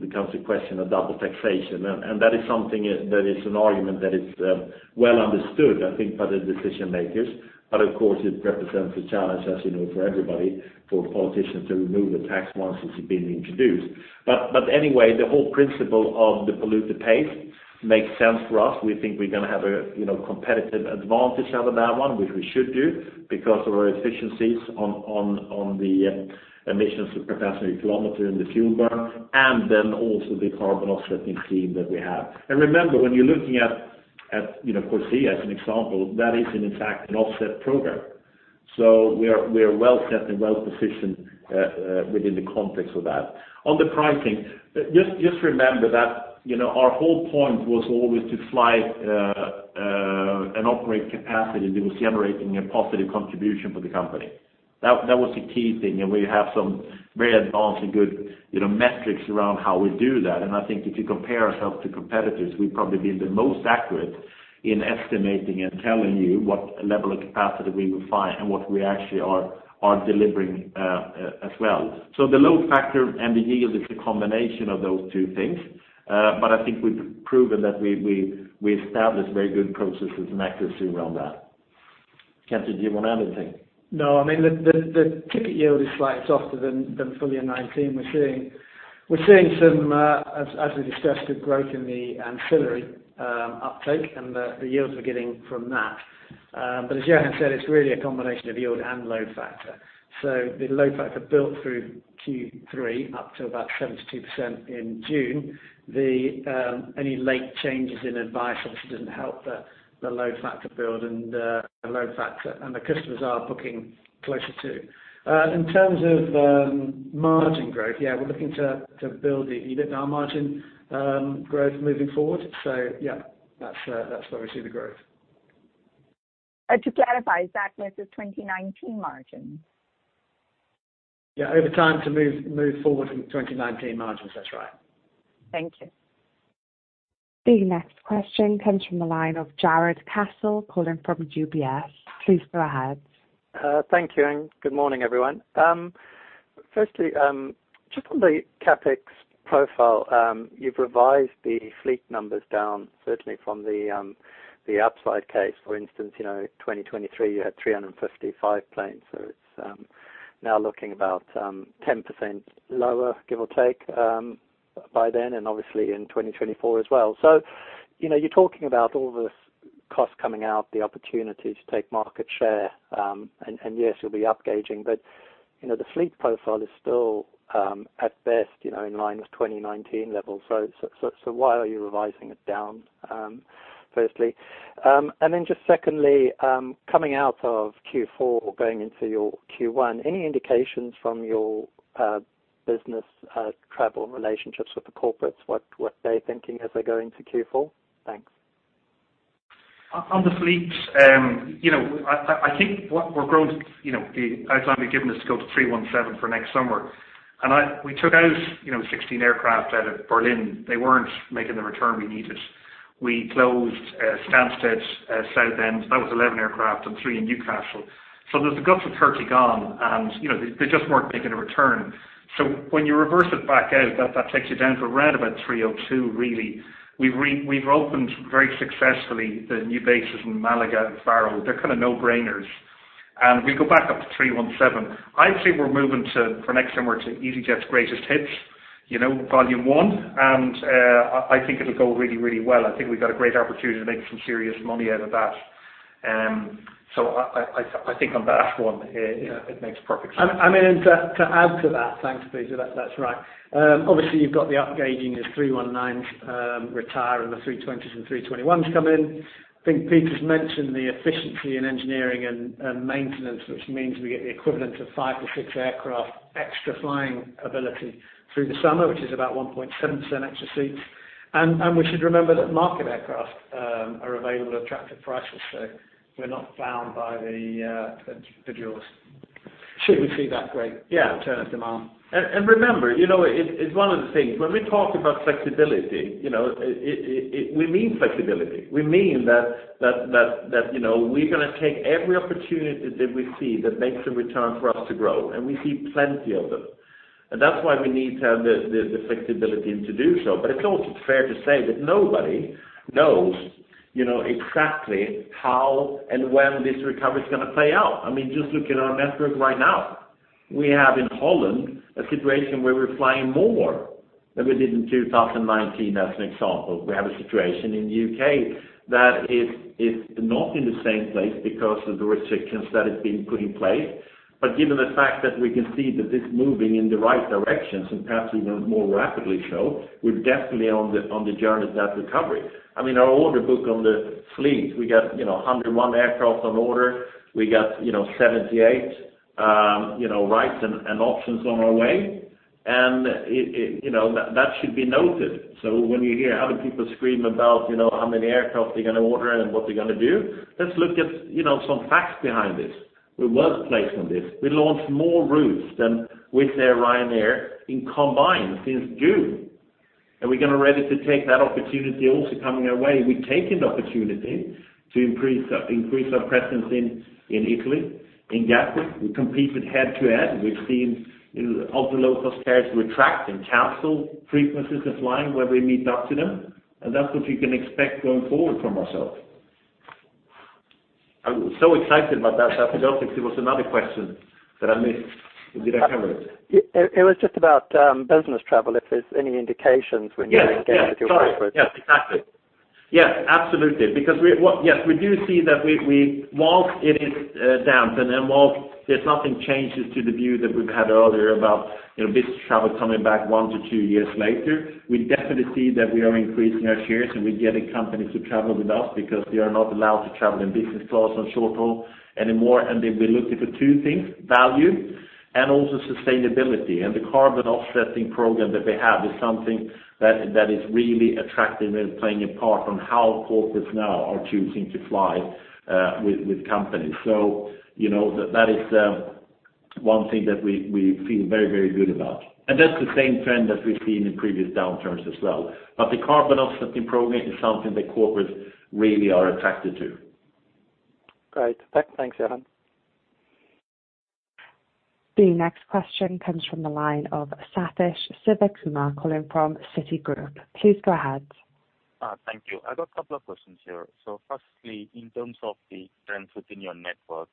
becomes a question of double taxation. That is an argument that is well understood, I think, by the decision makers. It represents a challenge, as you know, for everybody, for politicians to remove a tax once it's been introduced. The whole principle of the polluter pays makes sense for us. We think we're going to have a competitive advantage out of that one, which we should do because of our efficiencies on the emissions per passenger kilometer and the fuel burn, and then also the carbon offsetting scheme that we have. Remember, when you're looking at CORSIA as an example, that is in fact an offset program. We are well set and well positioned within the context of that. On the pricing, just remember that our whole point was always to fly and operate capacity that was generating a positive contribution for the company. That was the key thing, and we have some very advanced and good metrics around how we do that. I think if you compare ourselves to competitors, we've probably been the most accurate in estimating and telling you what level of capacity we will fly and what we actually are delivering as well. The load factor and the yield is a combination of those two things. I think we've proven that we established very good processes and accuracy around that. Kenton, do you want to add anything? No, I mean, the ticket yield is slightly softer than full year 2019. We're seeing some, as we discussed, good growth in the ancillary uptake and the yields we're getting from that. As Johan said, it's really a combination of yield and load factor. The load factor built through Q3 up to about 72% in June. Any late changes in advice obviously didn't help the load factor build, and the customers are booking closer too. In terms of margin growth, yeah, we're looking to build the EBITDA margin growth moving forward. Yeah, that's where we see the growth. To clarify, is that versus 2019 margins? Yeah, over time to move forward from 2019 margins. That's right. Thank you. The next question comes from the line of Jarrod Castle, calling from UBS. Please go ahead. Thank you. Good morning, everyone. Firstly, just on the CapEx profile, you've revised the fleet numbers down, certainly from the upside case. For instance, 2023, you had 355 planes. It's now looking about 10% lower, give or take, by then, and obviously in 2024 as well. You're talking about all the costs coming out, the opportunity to take market share. Yes, you'll be upgauging, but the fleet profile is still at best in line with 2019 levels. Why are you revising it down, firstly? Then just secondly, coming out of Q4 or going into your Q1, any indications from your business travel relationships with the corporates, what they're thinking as they go into Q4? Thanks. On the fleet. I think what we're growing to, the outline we've given is to go to 317 for next summer. We took out 16 aircraft out of Berlin. They weren't making the return we needed. We closed Stansted, Southend. That was 11 aircraft and three in Newcastle. There's a of 30 gone, and they just weren't making a return. When you reverse it back out, that takes you down to around about 302, really. We've opened very successfully the new bases in Malaga and Faro. They're kind of no-brainers. We go back up to 317. I'd say we're moving to, for next summer, to easyJet's greatest hits, volume one, and I think it'll go really well. I think we've got a great opportunity to make some serious money out of that. I think on that one, it makes perfect sense. To add to that. Thanks, Peter. That's right. Obviously, you've got the upgauging as A319s retire and the A320s and A321s come in. I think Peter's mentioned the efficiency in engineering and maintenance, which means we get the equivalent of five to six aircraft extra flying ability through the summer, which is about 1.7% extra seats. We should remember that market aircraft are available at attractive prices. We're not bound by the duos. Should we see that great return of demand. Remember, it's one of the things when we talk about flexibility, we mean flexibility. We mean that we're going to take every opportunity that we see that makes a return for us to grow, and we see plenty of them. That's why we need to have the flexibility to do so. It's also fair to say that nobody You know exactly how and when this recovery is going to play out. Just look at our network right now. We have, in Holland, a situation where we're flying more than we did in 2019, as an example. We have a situation in the U.K. that is not in the same place because of the restrictions that have been put in place. Given the fact that we can see that it's moving in the right direction, and perhaps even more rapidly so, we're definitely on the journey to that recovery. Our order book on the fleet we got 101 aircraft on order. We got 78 rights and options on our way, and that should be noted. When you hear other people scream about how many aircraft they're going to order and what they're going to do, let's look at some facts behind this. We well placed on this. We launched more routes than Wizz Air, Ryanair in combined since June, and we're going to be ready to take that opportunity also coming our way. We've taken the opportunity to increase our presence in Italy. In Gatwick we compete with head-to-head. We've seen other low-cost carriers retract and cancel frequencies of flying where we meet up to them, and that's what you can expect going forward from ourselves. I'm so excited about that topic. There was another question that I missed. Did I cover it? It was just about business travel, if there's any indications when you're engaging with your corporate. Yes, exactly. Yes, absolutely. Yes, we do see that whilst it is down, and whilst there's nothing changes to the view that we've had earlier about business travel coming back one to two years later, we definitely see that we are increasing our shares and we're getting companies to travel with us because they are not allowed to travel in business class on short-haul anymore, and they'll be looking for two things, value and also sustainability. The carbon offsetting program that we have is something that is really attractive and playing a part on how corporates now are choosing to fly with companies. That is one thing that we feel very good about. That's the same trend that we've seen in previous downturns as well. The carbon offsetting program is something that corporates really are attracted to. Great. Thanks, Johan. The next question comes from the line of Sathish Sivakumar, calling from Citigroup. Please go ahead. Thank you. I got a couple of questions here. Firstly, in terms of the trends within your network,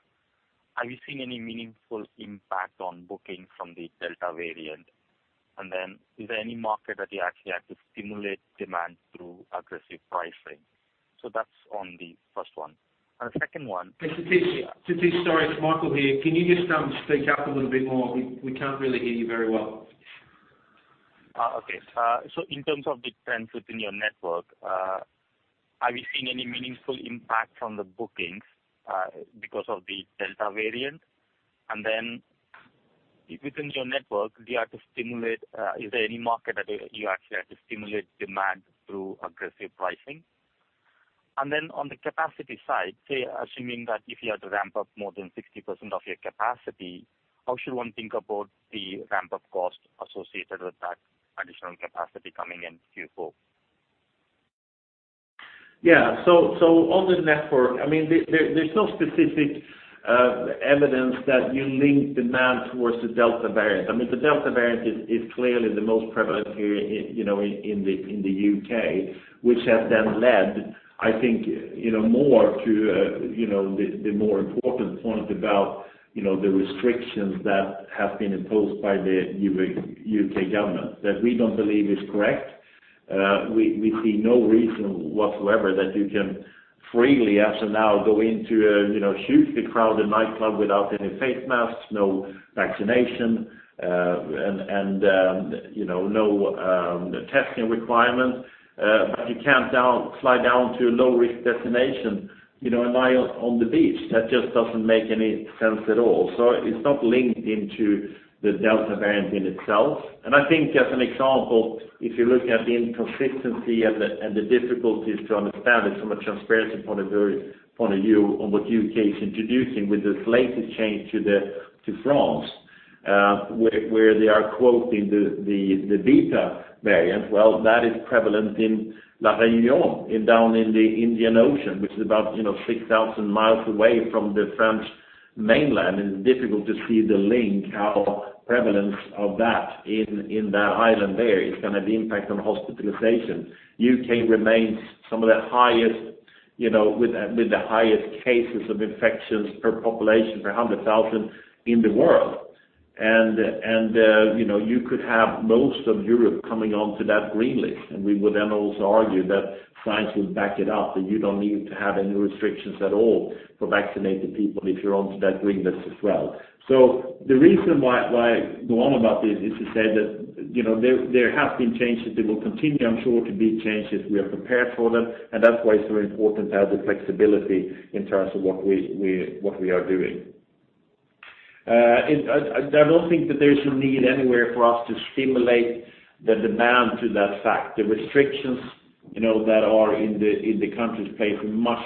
are you seeing any meaningful impact on booking from the Delta variant? Is there any market that you actually had to stimulate demand through aggressive pricing? That's on the first one. Sathish, sorry, it's Michael here. Can you just speak up a little bit more? We can't really hear you very well. Okay. In terms of the trends within your network, are we seeing any meaningful impact on the bookings because of the Delta variant? Within your network, is there any market that you actually had to stimulate demand through aggressive pricing? On the capacity side, say, assuming that if you had to ramp up more than 60% of your capacity, how should one think about the ramp-up cost associated with that additional capacity coming in Q4? On the network, there's no specific evidence that you link demand towards the Delta variant. The Delta variant is clearly the most prevalent here in the U.K., which has then led, I think more to the more important point about the restrictions that have been imposed by the U.K. government, that we don't believe is correct. We see no reason whatsoever that you can freely, as of now, go into a hugely crowded nightclub without any face masks, no vaccination, and no testing requirement. You can't fly down to a low-risk destination and lie on the beach. That just doesn't make any sense at all. It's not linked into the Delta variant in itself. I think, as an example, if you look at the inconsistency and the difficulties to understand it from a transparency point of view on what U.K. is introducing with this latest change to France, where they are quoting the Beta variant. That is prevalent in La Reunion down in the Indian Ocean, which is about 6,000 miles away from the French mainland, and difficult to see the link, how prevalence of that in that island there is going to impact on hospitalization. U.K. remains with the highest cases of infections per population per 100,000 in the world. You could have most of Europe coming onto that green list, and we would then also argue that science will back it up, that you don't need to have any restrictions at all for vaccinated people if you're onto that green list as well. The reason why I go on about this is to say that there have been changes. There will continue, I'm sure, to be changes. We are prepared for them, and that's why it's so important to have the flexibility in terms of what we are doing. I don't think that there is a need anywhere for us to stimulate the demand to that effect. The restrictions that are in the countries play a much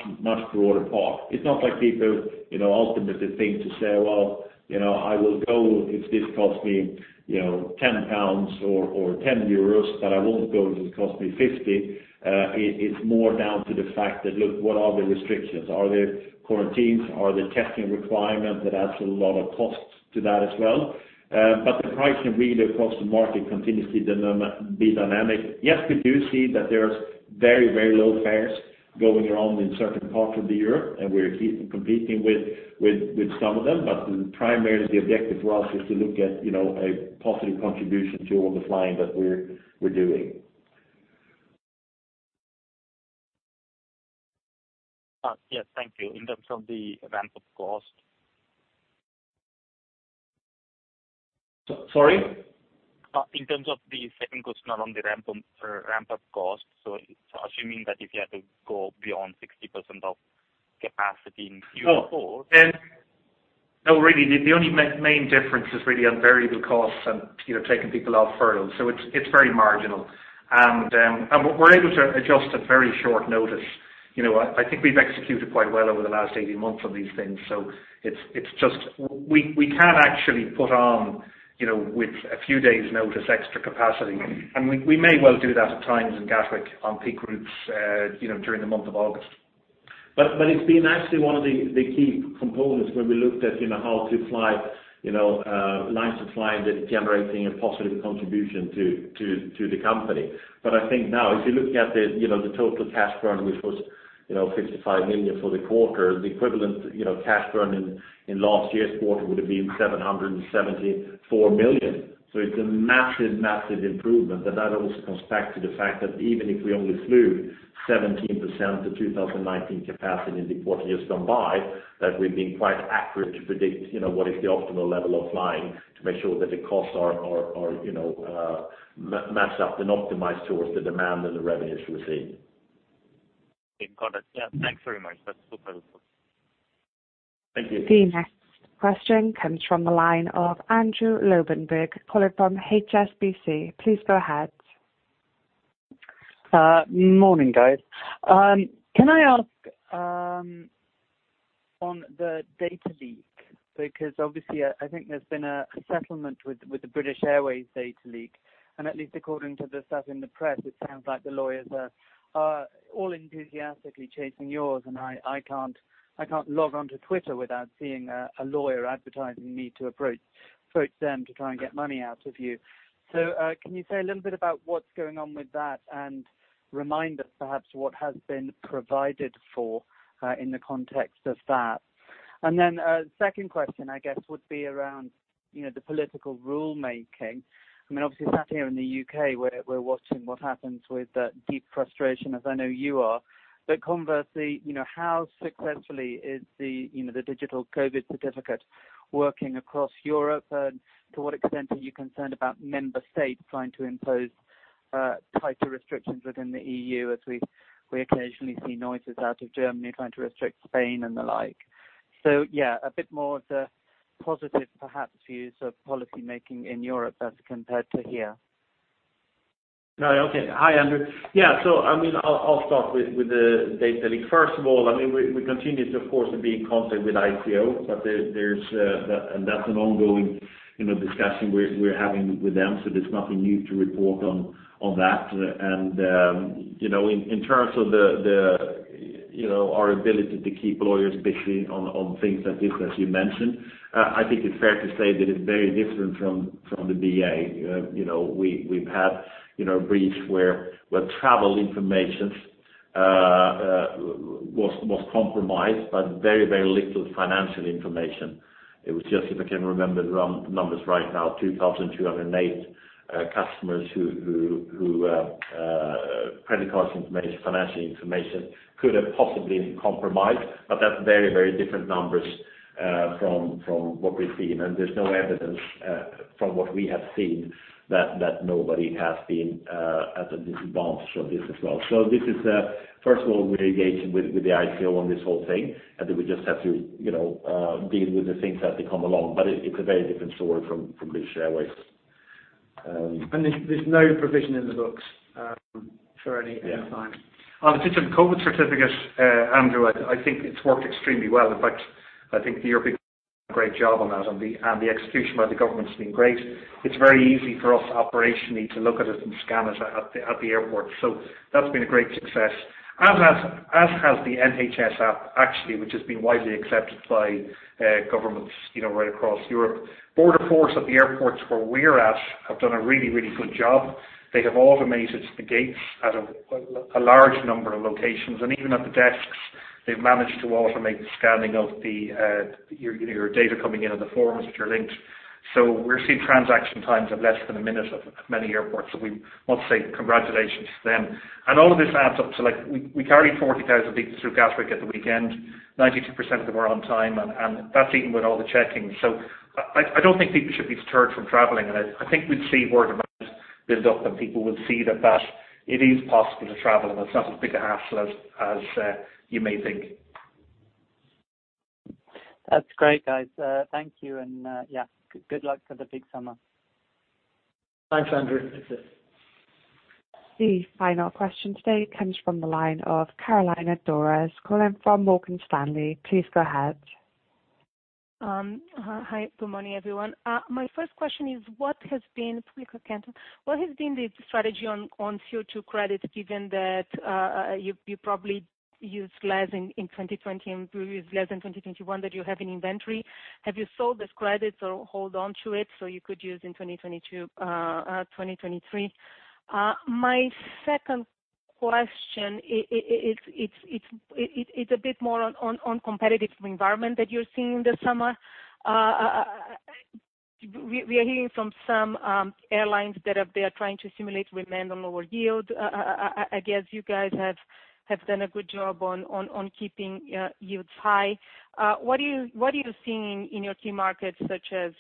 broader part. It's not like people ultimately think to say, "Well, I will go if this costs me 10 pounds or 10 euros, but I won't go if it costs me 50." It's more down to the fact that, look, what are the restrictions? Are there quarantines? Are there testing requirements that adds a lot of costs to that as well? The pricing really across the market continues to be dynamic. Yes, we do see that there's very low fares going around in certain parts of Europe, and we're competing with some of them. Primarily, the objective for us is to look at a positive contribution to all the flying that we're doing. Yes. Thank you. In terms of the ramp-up cost. Sorry? In terms of the second question, around the ramp-up cost. Assuming that if you had to go beyond 60% of capacity in Q4. No, really, the only main difference is really on variable costs and taking people off furlough. It's very marginal. We're able to adjust at very short notice. I think we've executed quite well over the last 18 months on these things. It's just we can actually put on, with a few days' notice, extra capacity. We may well do that at times in Gatwick on peak routes during the month of August. It's been actually one of the key components when we looked at how to fly lines of flying that are generating a positive contribution to the company. I think now, if you look at the total cash burn, which was 55 million for the quarter, the equivalent cash burn in last year's quarter would have been 774 million. It's a massive improvement. That also comes back to the fact that even if we only flew 17% of the 2019 capacity in the quarter years gone by, that we've been quite accurate to predict what is the optimal level of flying to make sure that the costs are matched up and optimized towards the demand and the revenues we're seeing. Got it. Yeah. Thanks very much. That's super helpful. Thank you. The next question comes from the line of Andrew Lobbenberg, calling from HSBC. Please go ahead. Morning, guys. Can I ask on the data leak? Obviously, I think there's been a settlement with the British Airways data leak, and at least according to the stuff in the press, it sounds like the lawyers are all enthusiastically chasing yours, and I can't log on to Twitter without seeing a lawyer advertising me to approach them to try and get money out of you. Can you say a little bit about what's going on with that and remind us perhaps what has been provided for in the context of that? A second question, I guess, would be around the political rule-making. Obviously, sat here in the U.K., we're watching what happens with deep frustration, as I know you are. Conversely, how successfully is the digital COVID certificate working across Europe? To what extent are you concerned about member states trying to impose tighter restrictions within the EU as we occasionally see noises out of Germany trying to restrict Spain and the like. Yeah, a bit more of the positive, perhaps views of policy making in Europe as compared to here. No. Okay. Hi, Andrew. I'll start with the data leak. First of all, we continue to, of course, be in contact with ICO, and that's an ongoing discussion we're having with them. There's nothing new to report on that. In terms of our ability to keep lawyers busy on things like this, as you mentioned, I think it's fair to say that it's very different from the BA. We've had a breach where travel information was compromised, but very, very little financial information. It was just, if I can remember the numbers right now, 2,208 customers whose credit card information, financial information could have possibly been compromised. That's very, very different numbers from what we've seen. There's no evidence from what we have seen that nobody has been at a disadvantage of this as well. This is, first of all, we're engaging with the ICO on this whole thing, and then we just have to deal with the things as they come along. It's a very different story from British Airways. There's no provision in the books for at this time. On the digital COVID Certificate, Andrew, I think it's worked extremely well. In fact, I think the Europeans have done a great job on that, and the execution by the government has been great. It's very easy for us operationally to look at it and scan it at the airport. That's been a great success. As has the NHS App, actually, which has been widely accepted by governments right across Europe. Border Force at the airports where we're at have done a really good job. They have automated the gates at a large number of locations, and even at the desks, they've managed to automate the scanning of your data coming in on the forms, which are linked. We're seeing transaction times of less than one minute at many airports. We want to say congratulations to them. All of this adds up to, we carried 40,000 people through Gatwick at the weekend, 92% of them were on time, and that's even with all the checking. I don't think people should be deterred from traveling, and I think we'll see more demand build up, and people will see that it is possible to travel, and it's not as big a hassle as you may think. That's great, guys. Thank you, and yeah, good luck for the big summer. Thanks, Andrew. Thanks. The final question today comes from the line of Carolina Dores, calling from Morgan Stanley. Please go ahead. Hi. Good morning, everyone. My first question is, what has been the strategy on CO2 credits, given that you probably used less in 2020 and produced less in 2021 that you have in inventory? Have you sold these credits or hold on to them so you could use in 2022, 2023? My second question, it's a bit more on competitive environment that you're seeing this summer. We are hearing from some airlines that they are trying to stimulate demand on lower yield. I guess you guys have done a good job on keeping yields high. What are you seeing in your key markets such as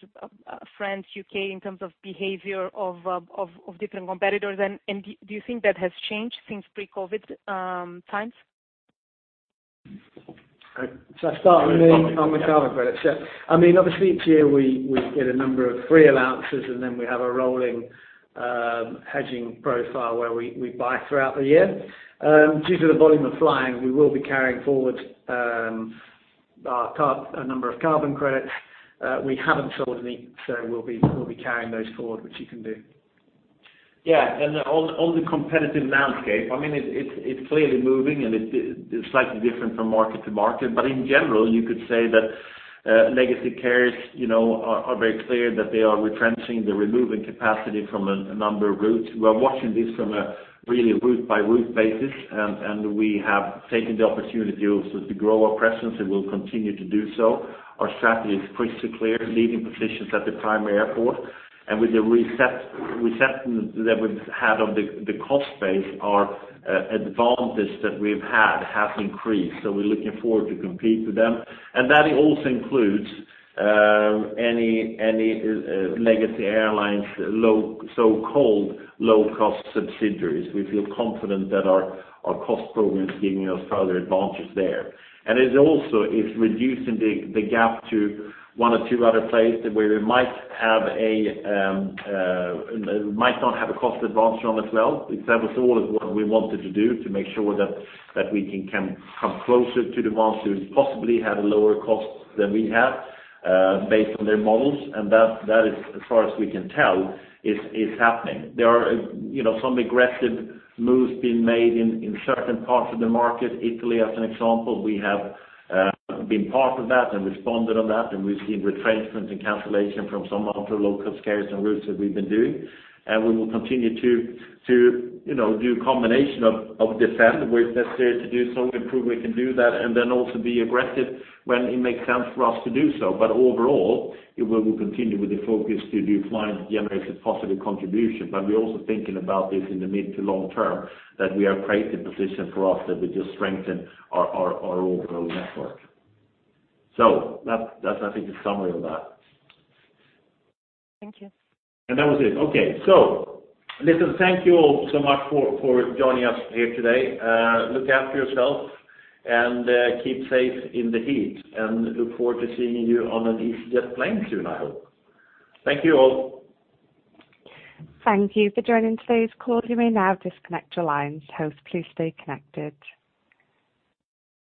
France, U.K., in terms of behavior of different competitors? Do you think that has changed since pre-COVID times? Should I start with me on the carbon credits? Obviously, each year we get a number of free allowances, and then we have a rolling hedging profile where we buy throughout the year. Due to the volume of flying, we will be carrying forward a number of carbon credits. We haven't sold any, so we'll be carrying those forward, which you can do. Yeah. On the competitive landscape, it's clearly moving, and it's slightly different from market to market. In general, you could say that legacy carriers are very clear that they are retrenching. They're removing capacity from a number of routes. We are watching this from a really route-by-route basis, and we have taken the opportunity also to grow our presence and will continue to do so. Our strategy is crystal clear, leading positions at the primary airport. With the reset that we've had of the cost base, our advantages that we've had has increased. We're looking forward to compete with them. That also includes any legacy airlines' so-called low-cost subsidiaries. We feel confident that our cost program is giving us further advantage there. It also is reducing the gap to one or two other players that where we might not have a cost advantage on as well. That was always what we wanted to do to make sure that we can come closer to the ones who possibly have lower costs than we have based on their models. That, as far as we can tell, is happening. There are some aggressive moves being made in certain parts of the market. Italy, as an example, we have been part of that and responded on that, and we've seen retrenchment and cancellation from some of the low-cost carriers and routes that we've been doing. We will continue to do a combination of defend where it's necessary to do so, improve we can do that, and then also be aggressive when it makes sense for us to do so. Overall, we will continue with the focus to do flying that generates a positive contribution. We're also thinking about this in the mid to long term, that we are creating position for us that will just strengthen our overall network. That's I think the summary of that. Thank you. That was it. Okay. Listen, thank you all so much for joining us here today. Look after yourselves, and keep safe in the heat, and look forward to seeing you on an easyJet plane soon, I hope. Thank you all. Thank you for joining today's call. You may now disconnect your lines. Hosts, please stay connected.